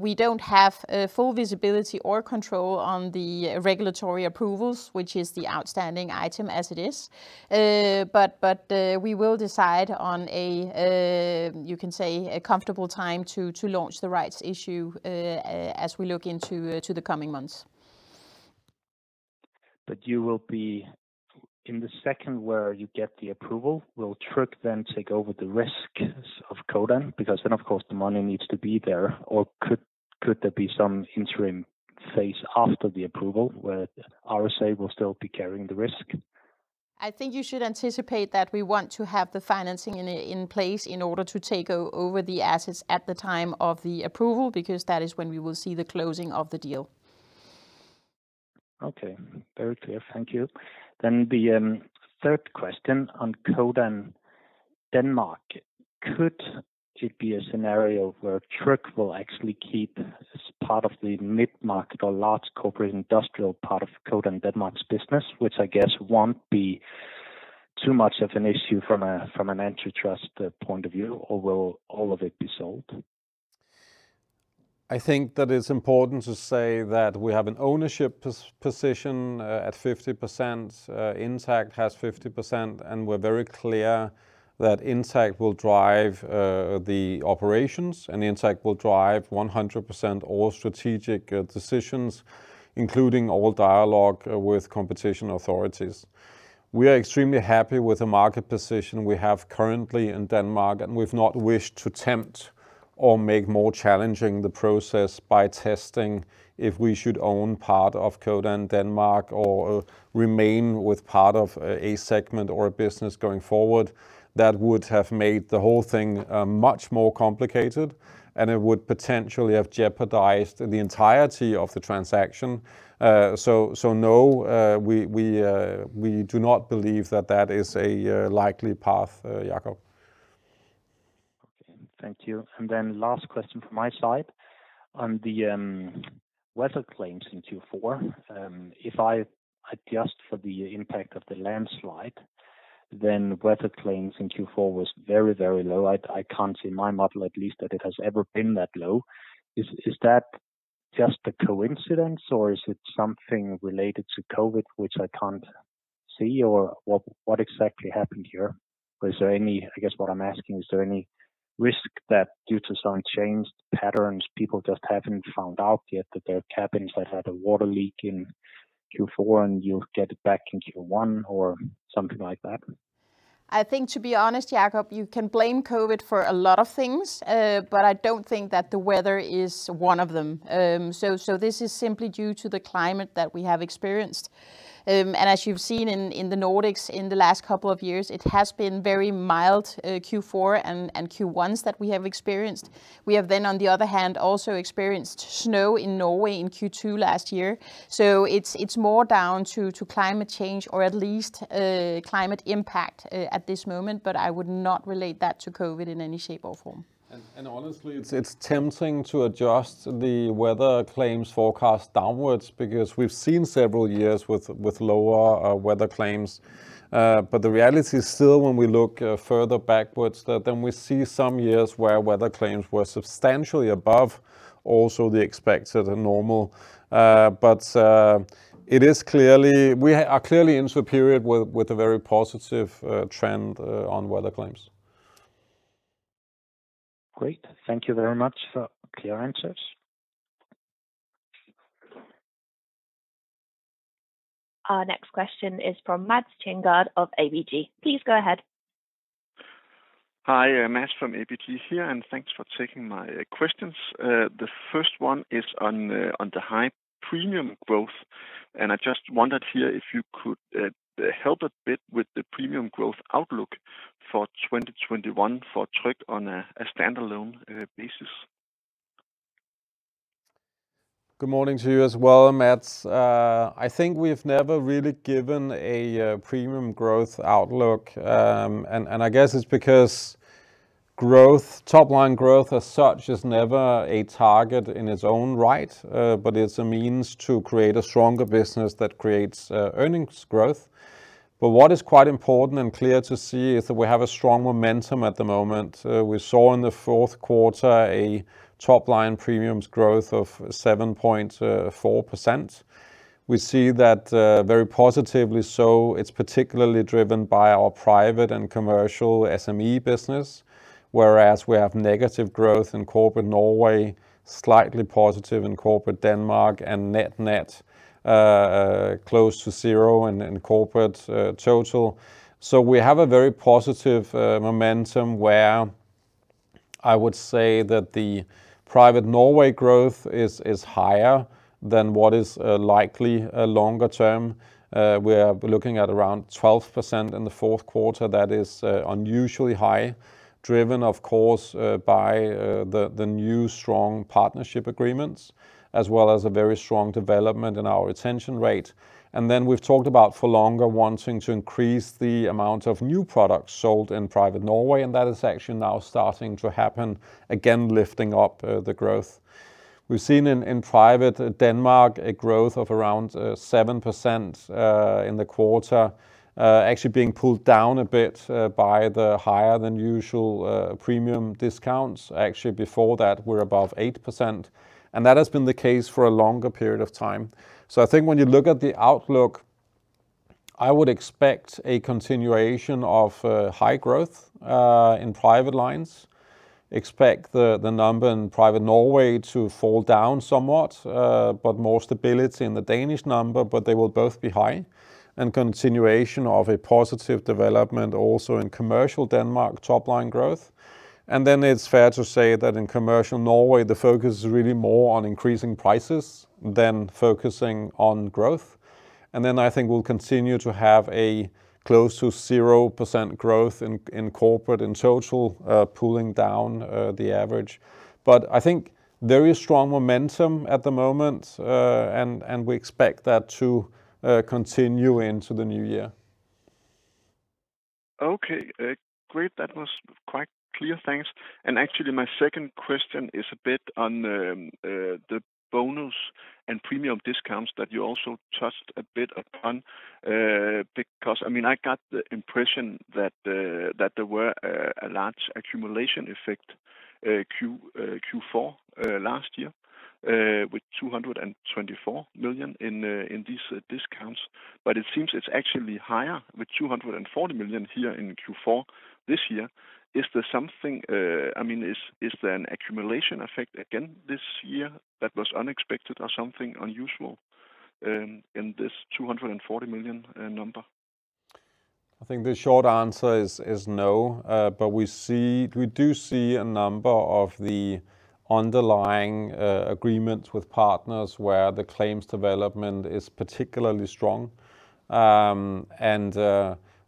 We don't have full visibility or control on the regulatory approvals, which is the outstanding item as it is. We will decide on a, you can say, a comfortable time to launch the rights issue as we look into the coming months. You will be in the second where you get the approval, will Tryg then take over the risks of Codan? Then, of course, the money needs to be there. Could there be some interim phase after the approval where RSA will still be carrying the risk? I think you should anticipate that we want to have the financing in place in order to take over the assets at the time of the approval, because that is when we will see the closing of the deal. Okay. Very clear. Thank you. The third question on Codan Denmark. Could it be a scenario where Tryg will actually keep part of the mid-market or large corporate industrial part of Codan Denmark's business, which I guess won't be too much of an issue from an antitrust point of view, or will all of it be sold? I think that it's important to say that we have an ownership position at 50%, Intact has 50%, and we're very clear that Intact will drive the operations, and Intact will drive 100% all strategic decisions, including all dialogue with competition authorities. We are extremely happy with the market position we have currently in Denmark, and we've not wished to tempt or make more challenging the process by testing if we should own part of Codan Denmark or remain with part of a segment or a business going forward. That would have made the whole thing much more complicated, and it would potentially have jeopardized the entirety of the transaction. No, we do not believe that that is a likely path, Jakob. Okay. Thank you. Last question from my side. On the weather claims in Q4, if I adjust for the impact of the landslide, then weather claims in Q4 was very low. I can't see my model at least that it has ever been that low. Is that just a coincidence, or is it something related to COVID which I can't see, or what exactly happened here? I guess what I'm asking, is there any risk that due to some changed patterns, people just haven't found out yet that their cabins have had a water leak in Q4, and you'll get it back in Q1 or something like that? I think to be honest, Jakob, you can blame COVID for a lot of things. I don't think that the weather is one of them. This is simply due to the climate that we have experienced. As you've seen in the Nordics in the last couple of years, it has been very mild Q4 and Q1s that we have experienced. We have then, on the other hand, also experienced snow in Norway in Q2 last year. It's more down to climate change or at least climate impact at this moment, but I would not relate that to COVID in any shape or form. Honestly, it's tempting to adjust the weather claims forecast downwards because we've seen several years with lower weather claims. The reality is still when we look further backwards, then we see some years where weather claims were substantially above also the expected and normal. We are clearly into a period with a very positive trend on weather claims. Great. Thank you very much for clear answers. Our next question is from Mads Thinggaard of ABG. Please go ahead. Hi. Mads from ABG here. Thanks for taking my questions. The first one is on the high premium growth. I just wondered here if you could help a bit with the premium growth outlook for 2021 for Tryg on a standalone basis. Good morning to you as well, Mads. I think we've never really given a premium growth outlook, and I guess it's because top-line growth as such is never a target in its own right, but it's a means to create a stronger business that creates earnings growth. What is quite important and clear to see is that we have a strong momentum at the moment. We saw in the fourth quarter a top-line premiums growth of 7.4%. We see that very positively. It's particularly driven by our private and commercial SME business, whereas we have negative growth in corporate Norway, slightly positive in corporate Denmark, and net close to zero in corporate total. We have a very positive momentum where I would say that the private Norway growth is higher than what is likely longer term. We are looking at around 12% in the fourth quarter. That is unusually high, driven of course by the new strong partnership agreements, as well as a very strong development in our retention rate. We've talked about for longer wanting to increase the amount of new products sold in private Norway, and that is actually now starting to happen, again lifting up the growth. We've seen in Private Denmark a growth of around 7% in the quarter, actually being pulled down a bit by the higher than usual premium discounts. Actually, before that were above 8%, and that has been the case for a longer period of time. I think when you look at the outlook, I would expect a continuation of high growth in private lines, expect the number in private Norway to fall down somewhat, but more stability in the Danish number, but they will both be high, and continuation of a positive development also in commercial Denmark top-line growth. It's fair to say that in commercial Norway, the focus is really more on increasing prices than focusing on growth. I think we'll continue to have a close to 0% growth in corporate in total, pulling down the average. I think very strong momentum at the moment, and we expect that to continue into the new year. Okay, great. That was quite clear. Thanks. Actually my second question is a bit on the bonus and premium discounts that you also touched a bit upon, because I got the impression that there were a large accumulation effect Q4 last year with 224 million in these discounts. It seems it's actually higher with 240 million here in Q4 this year. Is there an accumulation effect again this year that was unexpected or something unusual in this 240 million number? I think the short answer is no, but we do see a number of the underlying agreements with partners where the claims development is particularly strong.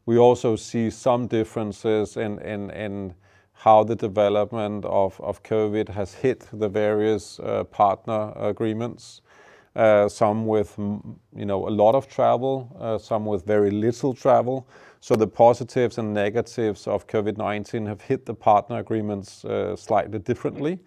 We also see some differences in how the development of COVID has hit the various partner agreements. Some with a lot of travel, some with very little travel. The positives and negatives of COVID-19 have hit the partner agreements slightly differently,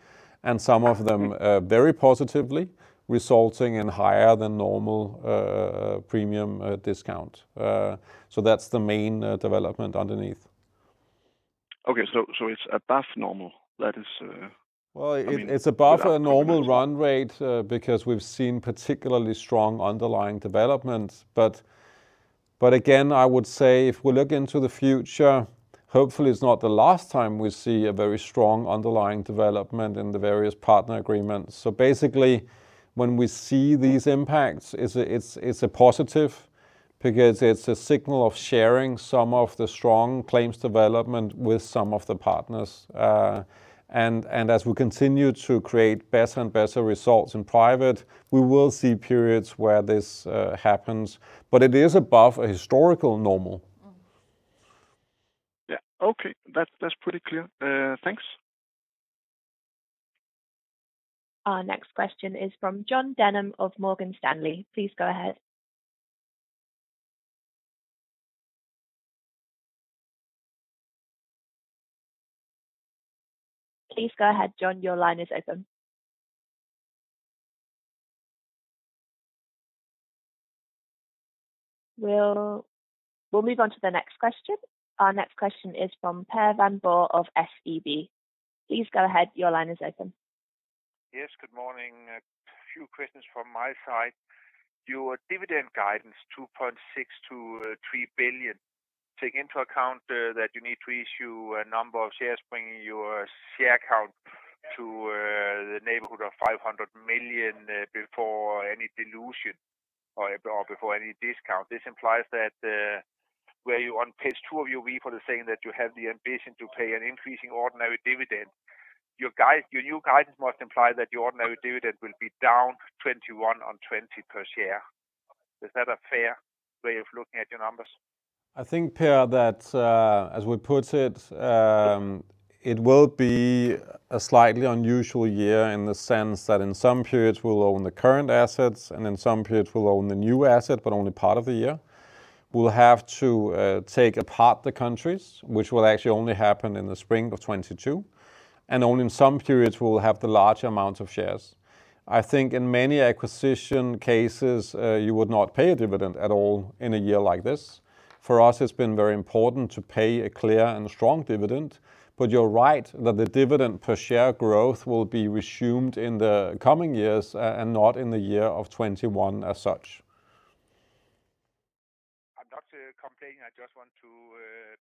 and some of them very positively, resulting in higher than normal premium discount. That's the main development underneath. Okay. It's above normal. Well, it's above a normal run rate because we've seen particularly strong underlying development. Again, I would say if we look into the future, hopefully it's not the last time we see a very strong underlying development in the various partner agreements. Basically when we see these impacts, it's a positive because it's a signal of sharing some of the strong claims development with some of the partners. As we continue to create better and better results in private, we will see periods where this happens, but it is above a historical normal. Yeah. Okay. That's pretty clear. Thanks. Our next question is from Jon Denham of Morgan Stanley. Please go ahead. Please go ahead, Jon. Your line is open. We'll move on to the next question. Our next question is from Per Grønborg of SEB. Please go ahead. Your line is open. Yes, good morning. A few questions from my side. Your dividend guidance, 2.6 billion-3 billion, take into account that you need to issue a number of shares, bringing your share count to the neighborhood of 500 million before any dilution or before any discount. This implies that where you on page two of your report are saying that you have the ambition to pay an increasing ordinary dividend, your new guidance must imply that your ordinary dividend will be down 2021 on 2020 per share. Is that a fair way of looking at your numbers? I think, Per, that as we put it will be a slightly unusual year in the sense that in some periods we'll own the current assets, and in some periods we'll own the new asset, but only part of the year. We'll have to take apart the countries, which will actually only happen in the spring of 2022, and only in some periods we'll have the large amount of shares. I think in many acquisition cases, you would not pay a dividend at all in a year like this. For us, it's been very important to pay a clear and strong dividend, but you're right that the dividend per share growth will be resumed in the coming years and not in the year of 2021 as such. I'm not complaining. I just want to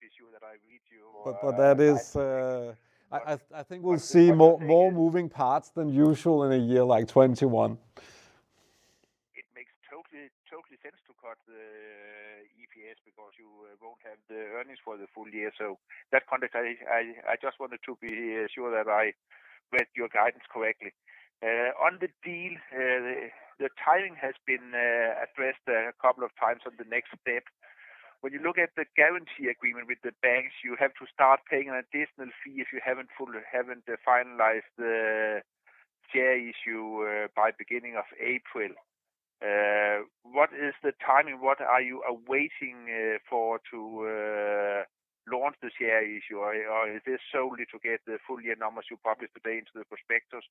be sure that I read you. But that is- I think- I think we'll see more moving parts than usual in a year like 2021. It makes total sense to cut the EPS because you won't have the earnings for the full year. In that context, I just wanted to be sure that I read your guidance correctly. On the deal, the timing has been addressed a couple of times on the next step. When you look at the guarantee agreement with the banks, you have to start paying an additional fee if you haven't finalized the share issue by beginning of April. What is the timing? What are you awaiting to launch the share issue? Is this solely to get the full year numbers you published today into the prospectus,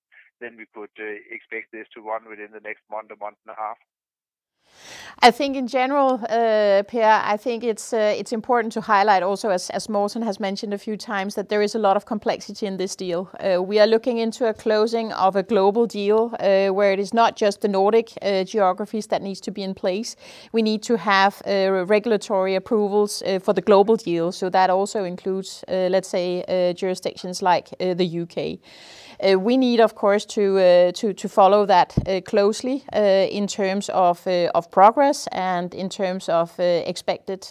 then we could expect this to run within the next month or month and a half? I think in general, Per, I think it's important to highlight also as Morten has mentioned a few times, that there is a lot of complexity in this deal. We are looking into a closing of a global deal, where it is not just the Nordic geographies that needs to be in place. We need to have regulatory approvals for the global deal. That also includes, let's say, jurisdictions like the U.K. We need, of course, to follow that closely, in terms of progress and in terms of expected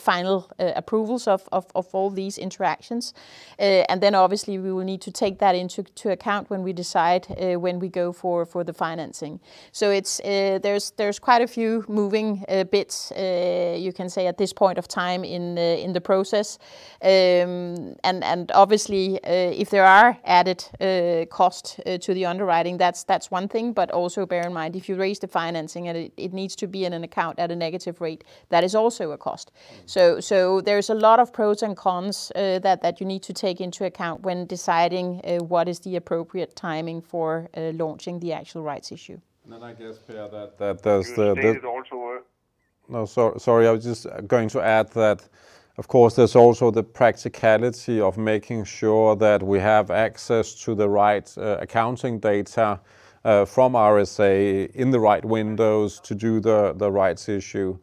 final approvals of all these interactions. Then obviously we will need to take that into account when we decide when we go for the financing. There's quite a few moving bits, you can say, at this point of time in the process. Obviously, if there are added cost to the underwriting, that's one thing. Also bear in mind, if you raise the financing and it needs to be in an account at a negative rate, that is also a cost. There's a lot of pros and cons that you need to take into account when deciding what is the appropriate timing for launching the actual rights issue. I guess, Per. You stated also. No, sorry, I was just going to add that, of course, there's also the practicality of making sure that we have access to the right accounting data from RSA in the right windows to do the rights issue.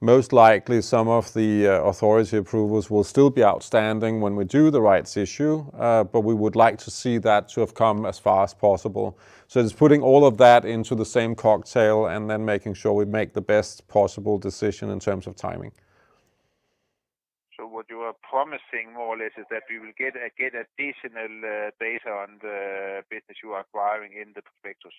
Most likely, some of the authority approvals will still be outstanding when we do the rights issue. We would like to see that to have come as far as possible. It's putting all of that into the same cocktail and then making sure we make the best possible decision in terms of timing. What you are promising more or less is that we will get additional data on the business you are acquiring in the prospectus?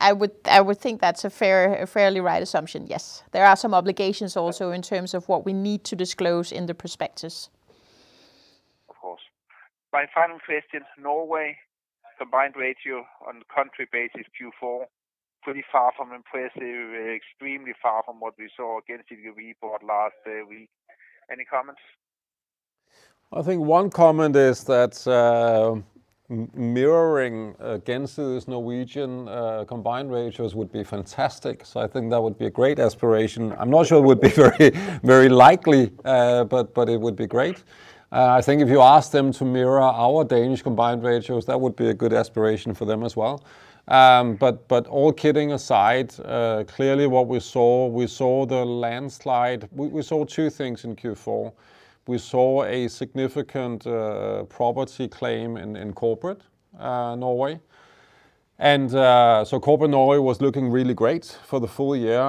I would think that's a fairly right assumption, yes. There are some obligations also in terms of what we need to disclose in the prospectus. Of course. My final question, Norway, combined ratio on country basis Q4, pretty far from impressive, extremely far from what we saw against your report last week. Any comments? I think one comment is that mirroring against those Norwegian combined ratios would be fantastic. I think that would be a great aspiration. I'm not sure it would be very likely, but it would be great. I think if you ask them to mirror our Danish combined ratios, that would be a good aspiration for them as well. All kidding aside, clearly what we saw, we saw the landslide. We saw two things in Q4. We saw a significant property claim in corporate Norway. Corporate Norway was looking really great for the full year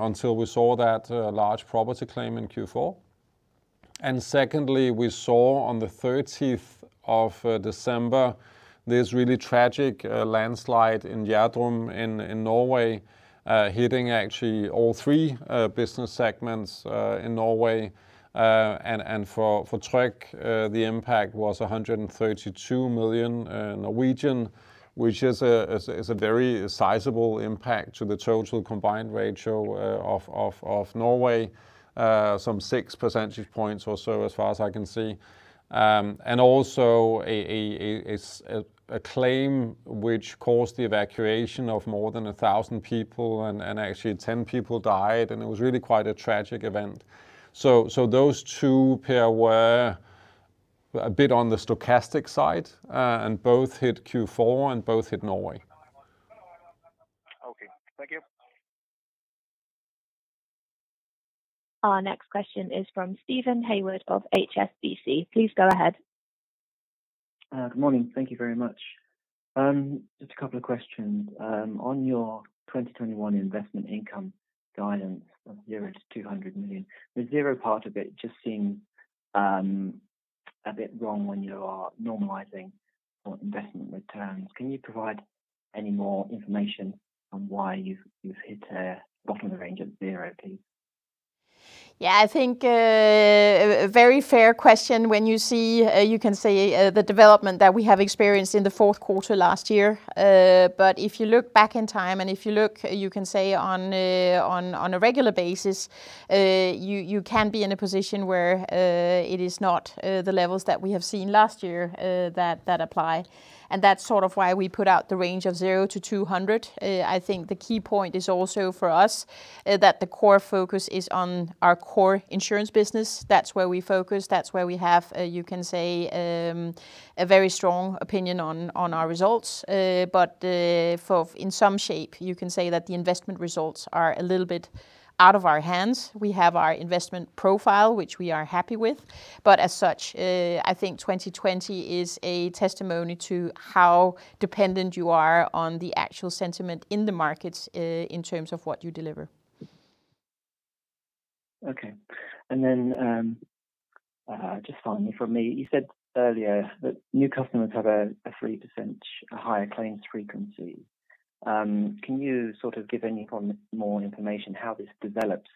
until we saw that large property claim in Q4. Secondly, we saw on the 30th of December, this really tragic landslide in Gjerdrum in Norway, hitting actually all three business segments in Norway. For Tryg, the impact was 132 million, which is a very sizable impact to the total combined ratio of Norway, some six percentage points or so as far as I can see. Also a claim which caused the evacuation of more than 1,000 people and actually 10 people died, and it was really quite a tragic event. Those two, Per, were a bit on the stochastic side, and both hit Q4 and both hit Norway. Our next question is from Steven Haywood of HSBC. Please go ahead. Good morning. Thank you very much. Just a couple of questions. On your 2021 investment income guidance of zero-DKK 200 million, the zero part of it just seems a bit wrong when you are normalizing investment returns. Can you provide any more information on why you've hit a bottom range of zero, please? Yeah, I think a very fair question when you can see the development that we have experienced in the fourth quarter last year. If you look back in time and if you look, you can say on a regular basis, you can be in a position where it is not the levels that we have seen last year that apply. That's sort of why we put out the range of zero to 200. I think the key point is also for us that the core focus is on our core insurance business. That's where we focus, that's where we have a very strong opinion on our results. In some shape, you can say that the investment results are a little bit out of our hands. We have our investment profile, which we are happy with, but as such, I think 2020 is a testimony to how dependent you are on the actual sentiment in the markets in terms of what you deliver. Okay. Just finally from me, you said earlier that new customers have a 3% higher claims frequency. Can you sort of give any more information how this develops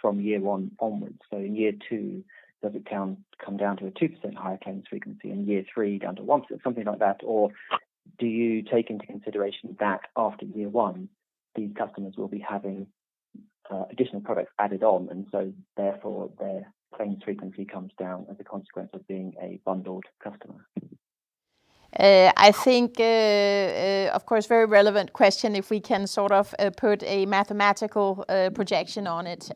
from year one onwards? In year two, does it come down to a 2% higher claims frequency, in year three down to 1%, something like that? Do you take into consideration that after year one, these customers will be having additional products added on, therefore, their claims frequency comes down as a consequence of being a bundled customer? I think, of course, very relevant question if we can sort of put a mathematical projection on it.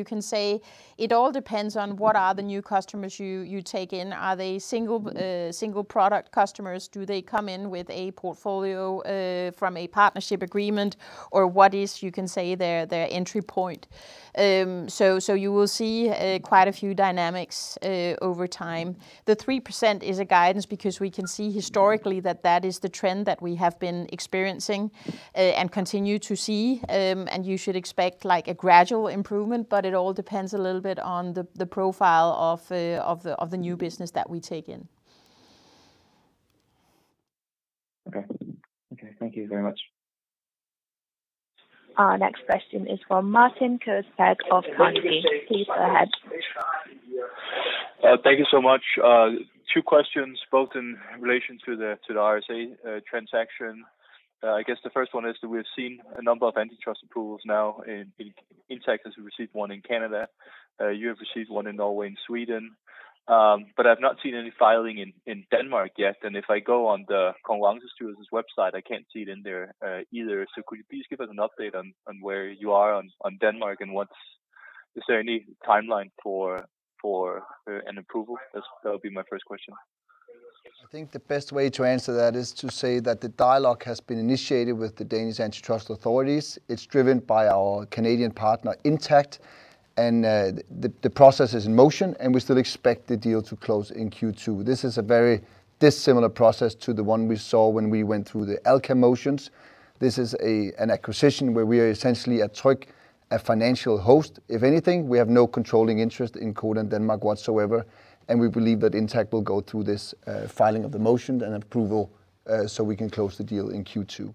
You can say it all depends on what are the new customers you take in. Are they single product customers? Do they come in with a portfolio from a partnership agreement? What is their entry point? You will see quite a few dynamics over time. The 3% is a guidance because we can see historically that that is the trend that we have been experiencing and continue to see, and you should expect a gradual improvement, but it all depends a little bit on the profile of the new business that we take in. Okay. Thank you very much. Our next question is from [Martin Kuusberg] of Carnegie. Please go ahead. Thank you so much. Two questions, both in relation to the RSA transaction. I guess the first one is that we've seen a number of antitrust approvals now. Intact has received one in Canada. You have received one in Norway and Sweden. I've not seen any filing in Denmark yet. If I go on the [Kongelig Dansk] website, I can't see it in there either. Could you please give us an update on where you are on Denmark, and is there any timeline for an approval? That would be my first question. I think the best way to answer that is to say that the dialogue has been initiated with the Danish antitrust authorities. It's driven by our Canadian partner, Intact, and the process is in motion, and we still expect the deal to close in Q2. This is a very dissimilar process to the one we saw when we went through the Alka motions. This is an acquisition where we are essentially at Tryg, a financial host. If anything, we have no controlling interest in Codan Denmark whatsoever, and we believe that Intact will go through this filing of the motion and approval so we can close the deal in Q2.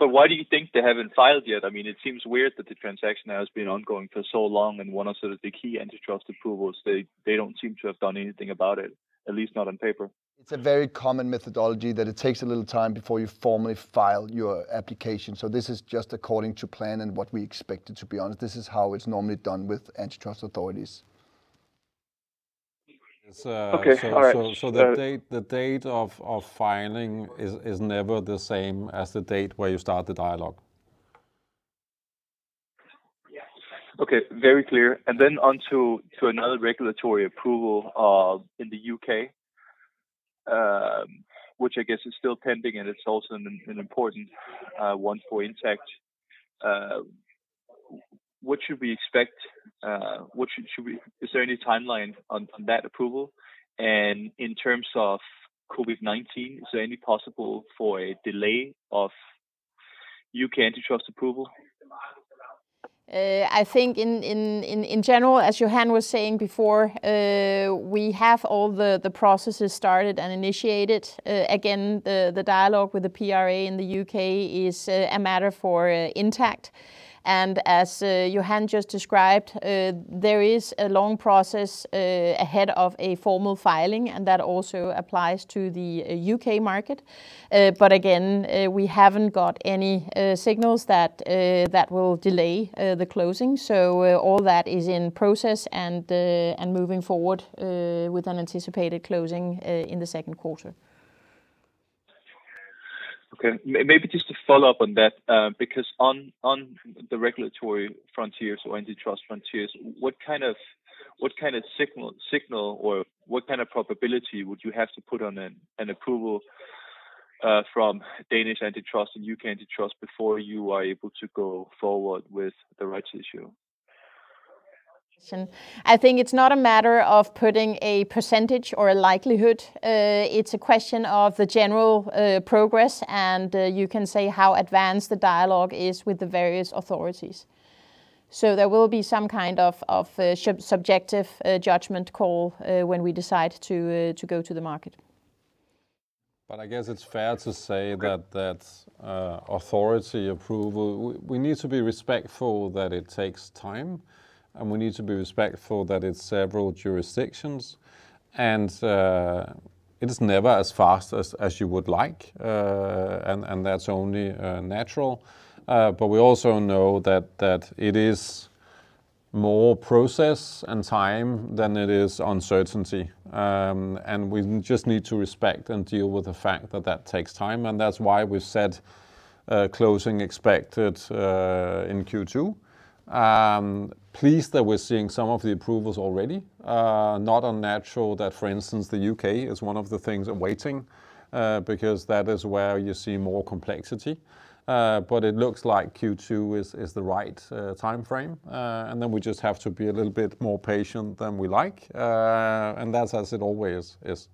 Why do you think they haven't filed yet? It seems weird that the transaction has been ongoing for so long, and one of sort of the key antitrust approvals, they don't seem to have done anything about it, at least not on paper. It's a very common methodology that it takes a little time before you formally file your application. This is just according to plan and what we expected to be honest. This is how it's normally done with antitrust authorities. Okay. All right. The date of filing is never the same as the date where you start the dialogue. Okay, very clear. Onto another regulatory approval in the U.K., which I guess is still pending, and it's also an important one for Intact. What should we expect? Is there any timeline on that approval? In terms of COVID-19, is there any possible for a delay of U.K. antitrust approval? I think in general, as Johan was saying before, we have all the processes started and initiated. The dialogue with the PRA in the U.K. is a matter for Intact. As Johan just described, there is a long process ahead of a formal filing, and that also applies to the U.K. market. Again, we haven't got any signals that will delay the closing. All that is in process and moving forward with an anticipated closing in the second quarter. Okay. Maybe just to follow up on that, on the regulatory frontiers or antitrust frontiers, what kind of signal, or what kind of probability would you have to put on an approval from Danish antitrust and U.K. antitrust before you are able to go forward with the rights issue? I think it's not a matter of putting a percentage or a likelihood. It's a question of the general progress, and you can say how advanced the dialogue is with the various authorities. There will be some kind of subjective judgment call when we decide to go to the market. I guess it's fair to say that authority approval, we need to be respectful that it takes time, we need to be respectful that it's several jurisdictions, it is never as fast as you would like. That's only natural. We also know that it is more process and time than it is uncertainty. We just need to respect and deal with the fact that takes time, that's why we've said closing expected in Q2. Pleased that we're seeing some of the approvals already. Not unnatural that, for instance, the U.K. is one of the things awaiting, because that is where you see more complexity. It looks like Q2 is the right timeframe. Then we just have to be a little bit more patient than we like. That's as it always is.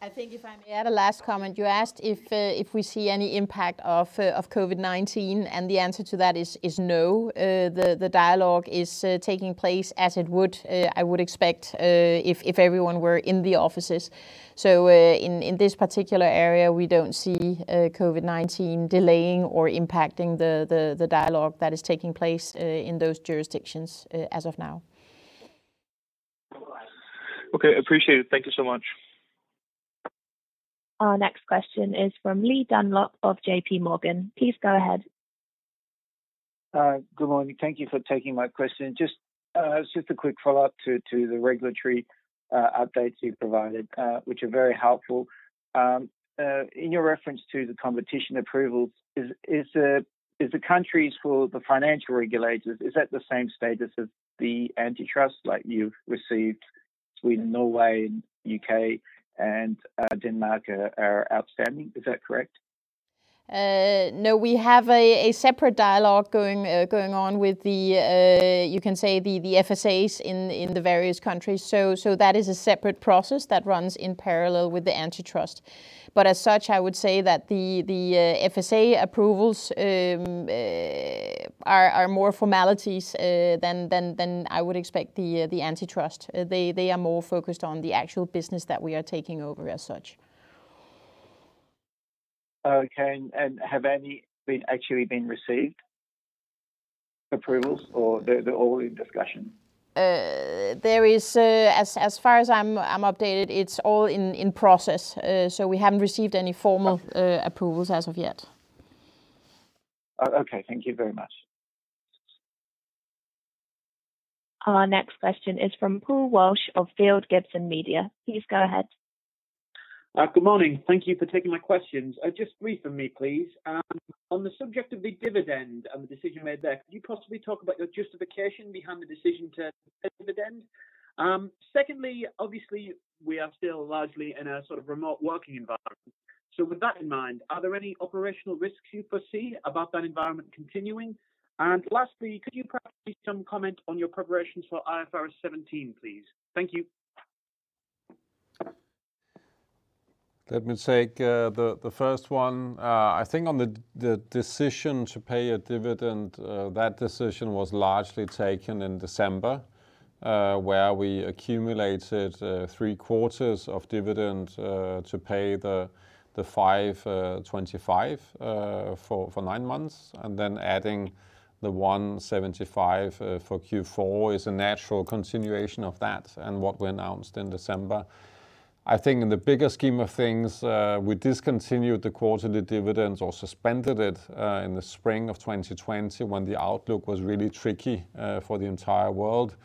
I think if I may add a last comment, you asked if we see any impact of COVID-19, and the answer to that is no. The dialogue is taking place as it would, I would expect, if everyone were in the offices. In this particular area, we don't see COVID-19 delaying or impacting the dialogue that is taking place in those jurisdictions as of now. Okay. Appreciate it. Thank you so much. Our next question is from LI Dunlop of JPMorgan. Please go ahead. Good morning. Thank you for taking my question. Just a quick follow-up to the regulatory updates you've provided, which are very helpful. In your reference to the competition approvals, is the countries for the financial regulators, is that the same status as the antitrust like you've received Sweden, Norway, and U.K., and Denmark are outstanding? Is that correct? No, we have a separate dialogue going on with the, you can say the FSAs in the various countries. That is a separate process that runs in parallel with the antitrust. As such, I would say that the FSA approvals are more formalities than I would expect the antitrust. They are more focused on the actual business that we are taking over as such. Have any actually been received, approvals, or they're all in discussion? There is, as far as I'm updated, it's all in process. We haven't received any formal approvals as of yet. Okay. Thank you very much. Our next question is from Paul Walsh of Field Gibson Media. Please go ahead. Good morning. Thank you for taking my questions. Just three from me, please. On the subject of the dividend and the decision made there, could you possibly talk about your justification behind the decision to pay dividend? Secondly, obviously, we are still largely in a sort of remote working environment. With that in mind, are there any operational risks you foresee about that environment continuing? Lastly, could you perhaps give some comment on your preparations for IFRS 17, please? Thank you. Let me take the first one. I think on the decision to pay a dividend, that decision was largely taken in December, where we accumulated three quarters of dividend to pay the 525 for nine months, and then adding the 175 for Q4 is a natural continuation of that and what we announced in December. I think in the bigger scheme of things, we discontinued the quarterly dividends or suspended it in the spring of 2020 when the outlook was really tricky for the entire world.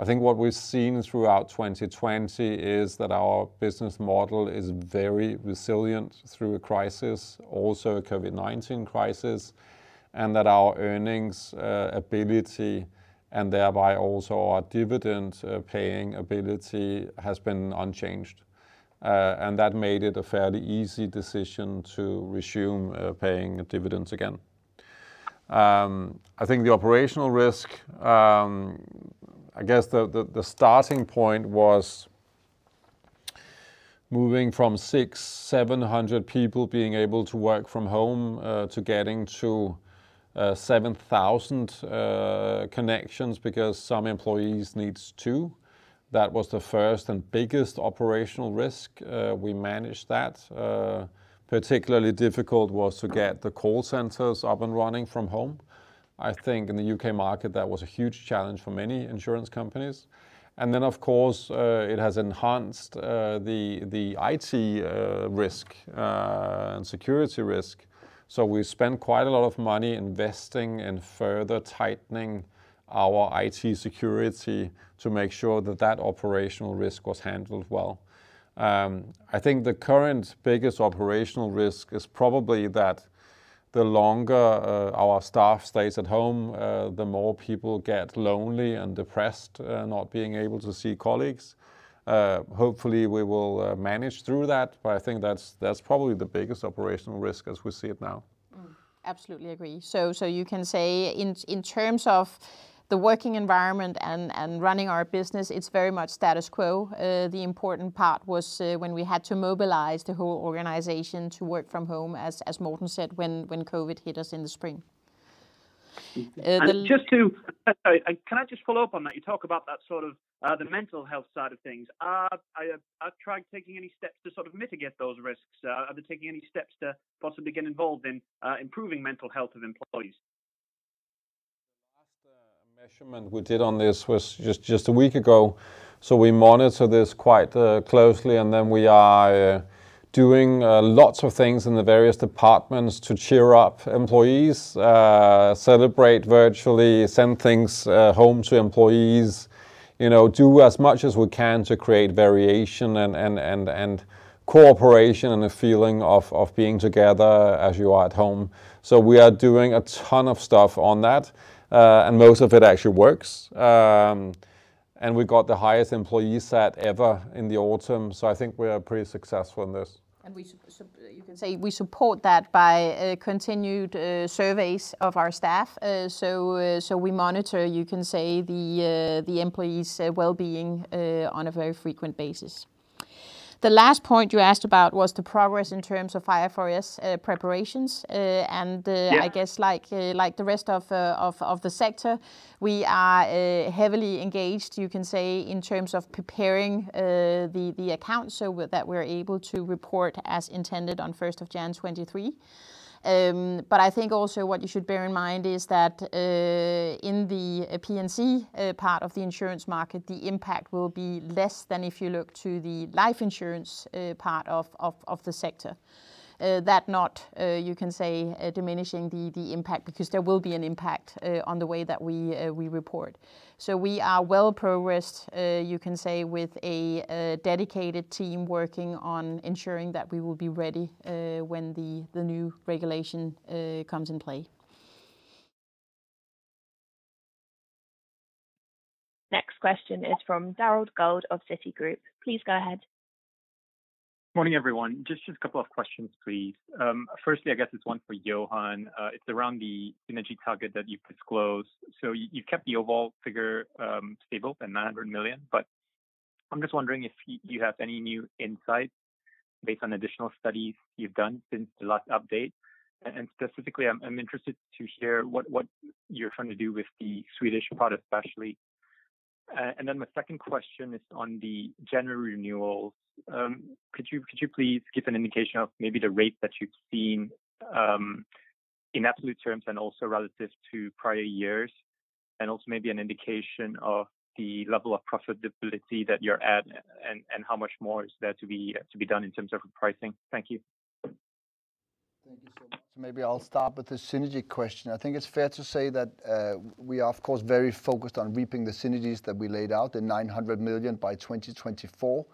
I think what we've seen throughout 2020 is that our business model is very resilient through a crisis, also a COVID-19 crisis, and that our earnings ability, and thereby also our dividend paying ability, has been unchanged. That made it a fairly easy decision to resume paying dividends again. I think the operational risk, I guess the starting point was moving from 600, 700 people being able to work from home to getting to 7,000 connections because some employees needs to. That was the first and biggest operational risk. We managed that. Particularly difficult was to get the call centers up and running from home. I think in the U.K. market, that was a huge challenge for many insurance companies. Of course, it has enhanced the IT risk and security risk. We've spent quite a lot of money investing in further tightening our IT security to make sure that that operational risk was handled well. I think the current biggest operational risk is probably that. The longer our staff stays at home, the more people get lonely and depressed not being able to see colleagues. Hopefully, we will manage through that, but I think that's probably the biggest operational risk as we see it now. Absolutely agree. You can say in terms of the working environment and running our business, it's very much status quo. The important part was when we had to mobilize the whole organization to work from home, as Morten said, when COVID hit us in the spring. Can I just follow up on that? You talk about the mental health side of things. Are Tryg taking any steps to mitigate those risks? Are they taking any steps to possibly get involved in improving mental health of employees? The last measurement we did on this was just a week ago. We monitor this quite closely, and then we are doing lots of things in the various departments to cheer up employees, celebrate virtually, send things home to employees. Do as much as we can to create variation and cooperation and a feeling of being together as you are at home. We are doing a ton of stuff on that, and most of it actually works. We got the highest employee sat ever in the autumn. I think we are pretty successful in this. You can say we support that by continued surveys of our staff. We monitor, you can say, the employees' well-being on a very frequent basis. The last point you asked about was the progress in terms of IFRS preparations. Yeah. I guess like the rest of the sector, we are heavily engaged in terms of preparing the account so that we're able to report as intended on 1st of January 2023. I think also what you should bear in mind is that in the P&C part of the insurance market, the impact will be less than if you look to the life insurance part of the sector. That not diminishing the impact, because there will be an impact on the way that we report. We are well progressed with a dedicated team working on ensuring that we will be ready when the new regulation comes in play. Next question is from [Donald Gold] of Citigroup. Please go ahead. Morning, everyone. Just a couple of questions, please. Firstly, I guess it's one for Johan. It's around the synergy target that you've disclosed. You've kept the overall figure stable at 900 million. I'm just wondering if you have any new insights based on additional studies you've done since the last update. Specifically, I'm interested to hear what you're trying to do with the Swedish part, especially. My second question is on the January renewals. Could you please give an indication of maybe the rate that you've seen in absolute terms and also relative to prior years, and also maybe an indication of the level of profitability that you're at and how much more is there to be done in terms of pricing? Thank you. Thank you so much. Maybe I'll start with the synergy question. I think it's fair to say that we are, of course, very focused on reaping the synergies that we laid out, the 900 million by 2024.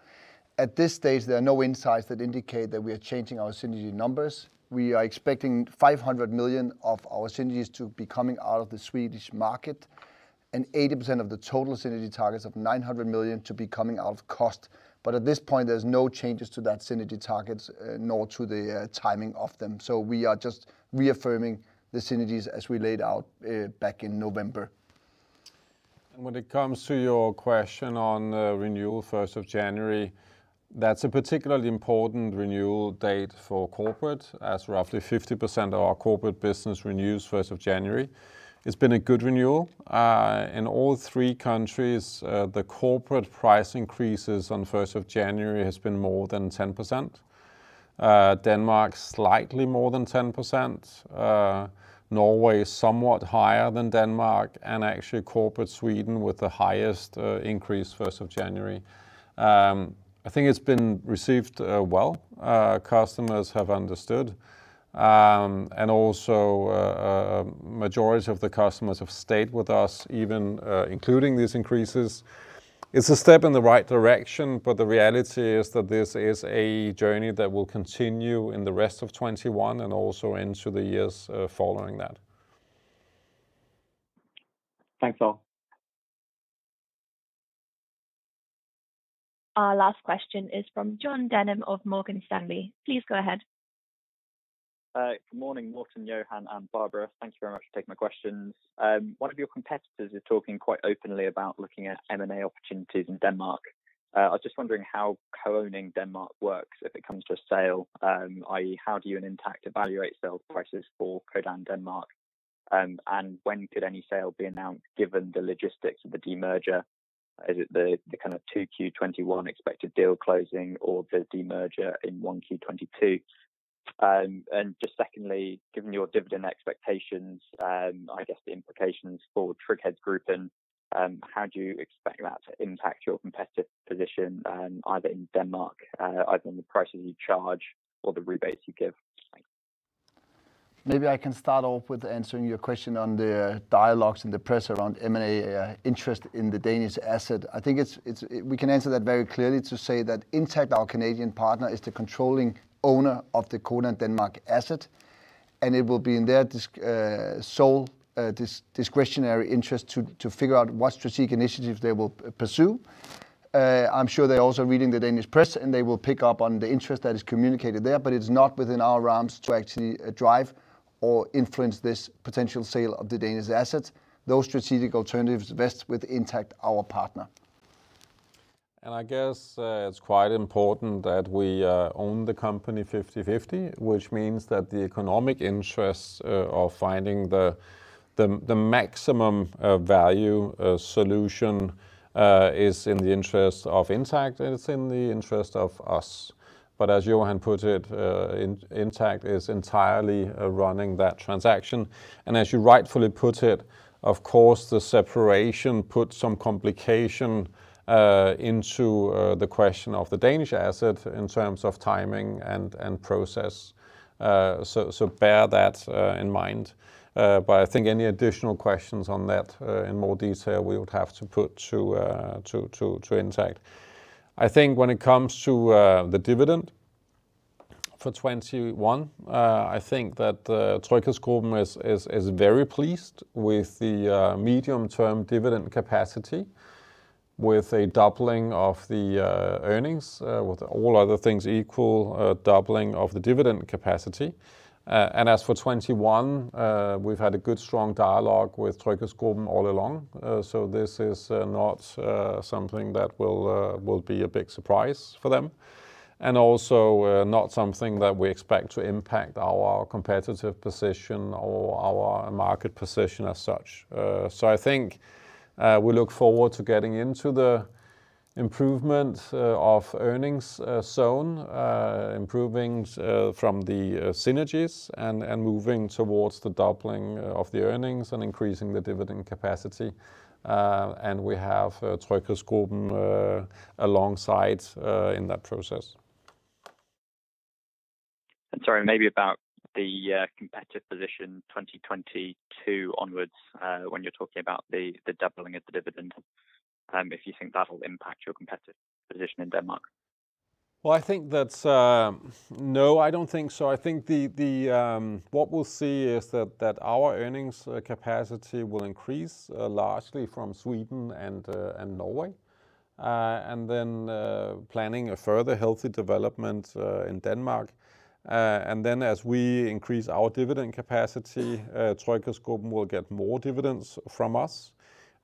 At this stage, there are no insights that indicate that we are changing our synergy numbers. We are expecting 500 million of our synergies to be coming out of the Swedish market, and 80% of the total synergy targets of 900 million to be coming out of cost. At this point, there's no changes to that synergy targets, nor to the timing of them. We are just reaffirming the synergies as we laid out back in November. When it comes to your question on renewal 1st of January, that's a particularly important renewal date for corporate, as roughly 50% of our corporate business renews 1st of January. It's been a good renewal. In all three countries, the corporate price increases on 1st of January has been more than 10%. Denmark, slightly more than 10%. Norway is somewhat higher than Denmark, and actually Corporate Sweden with the highest increase 1st of January. I think it's been received well. Customers have understood. Also, a majority of the customers have stayed with us, even including these increases. It's a step in the right direction, the reality is that this is a journey that will continue in the rest of 2021 and also into the years following that. Thanks all. Our last question is from Jon Denham of Morgan Stanley. Please go ahead. Good morning, Morten, Johan, and Barbara. Thank you very much for taking my questions. One of your competitors is talking quite openly about looking at M&A opportunities in Denmark. I was just wondering how co-owning Denmark works if it comes to a sale, i.e., how do you and Intact evaluate sales prices for Codan Denmark? When could any sale be announced given the logistics of the demerger? Is it the kind of 2Q21 expected deal closing or the demerger in 1Q22? Just secondly, given your dividend expectations, I guess the implications for Tryg Group, and how do you expect that to impact your competitive position either in Denmark, either on the prices you charge or the rebates you give? Maybe I can start off with answering your question on the dialogues in the press around M&A interest in the Danish asset. I think we can answer that very clearly to say that Intact, our Canadian partner, is the controlling owner of the Codan Denmark asset, and it will be in their sole discretionary interest to figure out what strategic initiatives they will pursue. I'm sure they're also reading the Danish press, and they will pick up on the interest that is communicated there, but it's not within our realms to actually drive or influence this potential sale of the Danish assets. Those strategic alternatives vest with Intact, our partner. I guess it's quite important that we own the company 50/50, which means that the economic interests of finding the maximum value solution is in the interest of Intact, and it's in the interest of us. As Johan put it, Intact is entirely running that transaction. As you rightfully put it, of course, the separation put some complication into the question of the Danish asset in terms of timing and process. Bear that in mind. I think any additional questions on that in more detail, we would have to put to Intact. I think when it comes to the dividend for 2021, I think that Tryg Group is very pleased with the medium-term dividend capacity with a doubling of the earnings, with all other things equal, a doubling of the dividend capacity. As for 2021, we've had a good, strong dialogue with TryghedsGruppen all along. This is not something that will be a big surprise for them, and also not something that we expect to impact our competitive position or our market position as such. I think we look forward to getting into the improvement of earnings zone, improving from the synergies and moving towards the doubling of the earnings and increasing the dividend capacity. We have TryghedsGruppen alongside in that process. Sorry, maybe about the competitive position 2022 onwards, when you're talking about the doubling of the dividend, if you think that'll impact your competitive position in Denmark? Well, No, I don't think so. I think what we'll see is that our earnings capacity will increase largely from Sweden and Norway, and then planning a further healthy development in Denmark. Then as we increase our dividend capacity, TryghedsGruppen will get more dividends from us,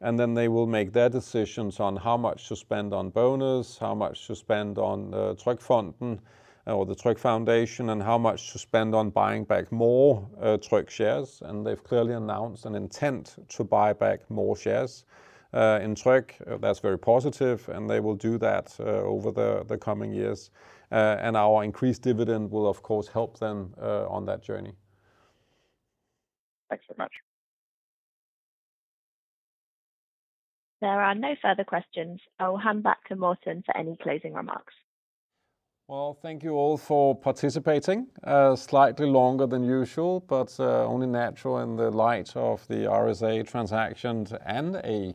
and then they will make their decisions on how much to spend on bonus, how much to spend on TrygFonden or the Tryg Foundation, and how much to spend on buying back more Tryg shares. They've clearly announced an intent to buy back more shares in Tryg. That's very positive, and they will do that over the coming years. Our increased dividend will of course help them on that journey. Thanks so much. There are no further questions. I'll hand back to Morten for any closing remarks. Well, thank you all for participating. Slightly longer than usual, but only natural in the light of the RSA transactions and a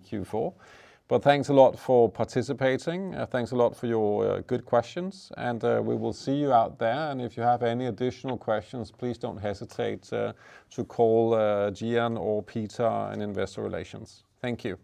Q4. Thanks a lot for participating. Thanks a lot for your good questions, and we will see you out there. If you have any additional questions, please don't hesitate to call Gian or Peter in Investor Relations. Thank you.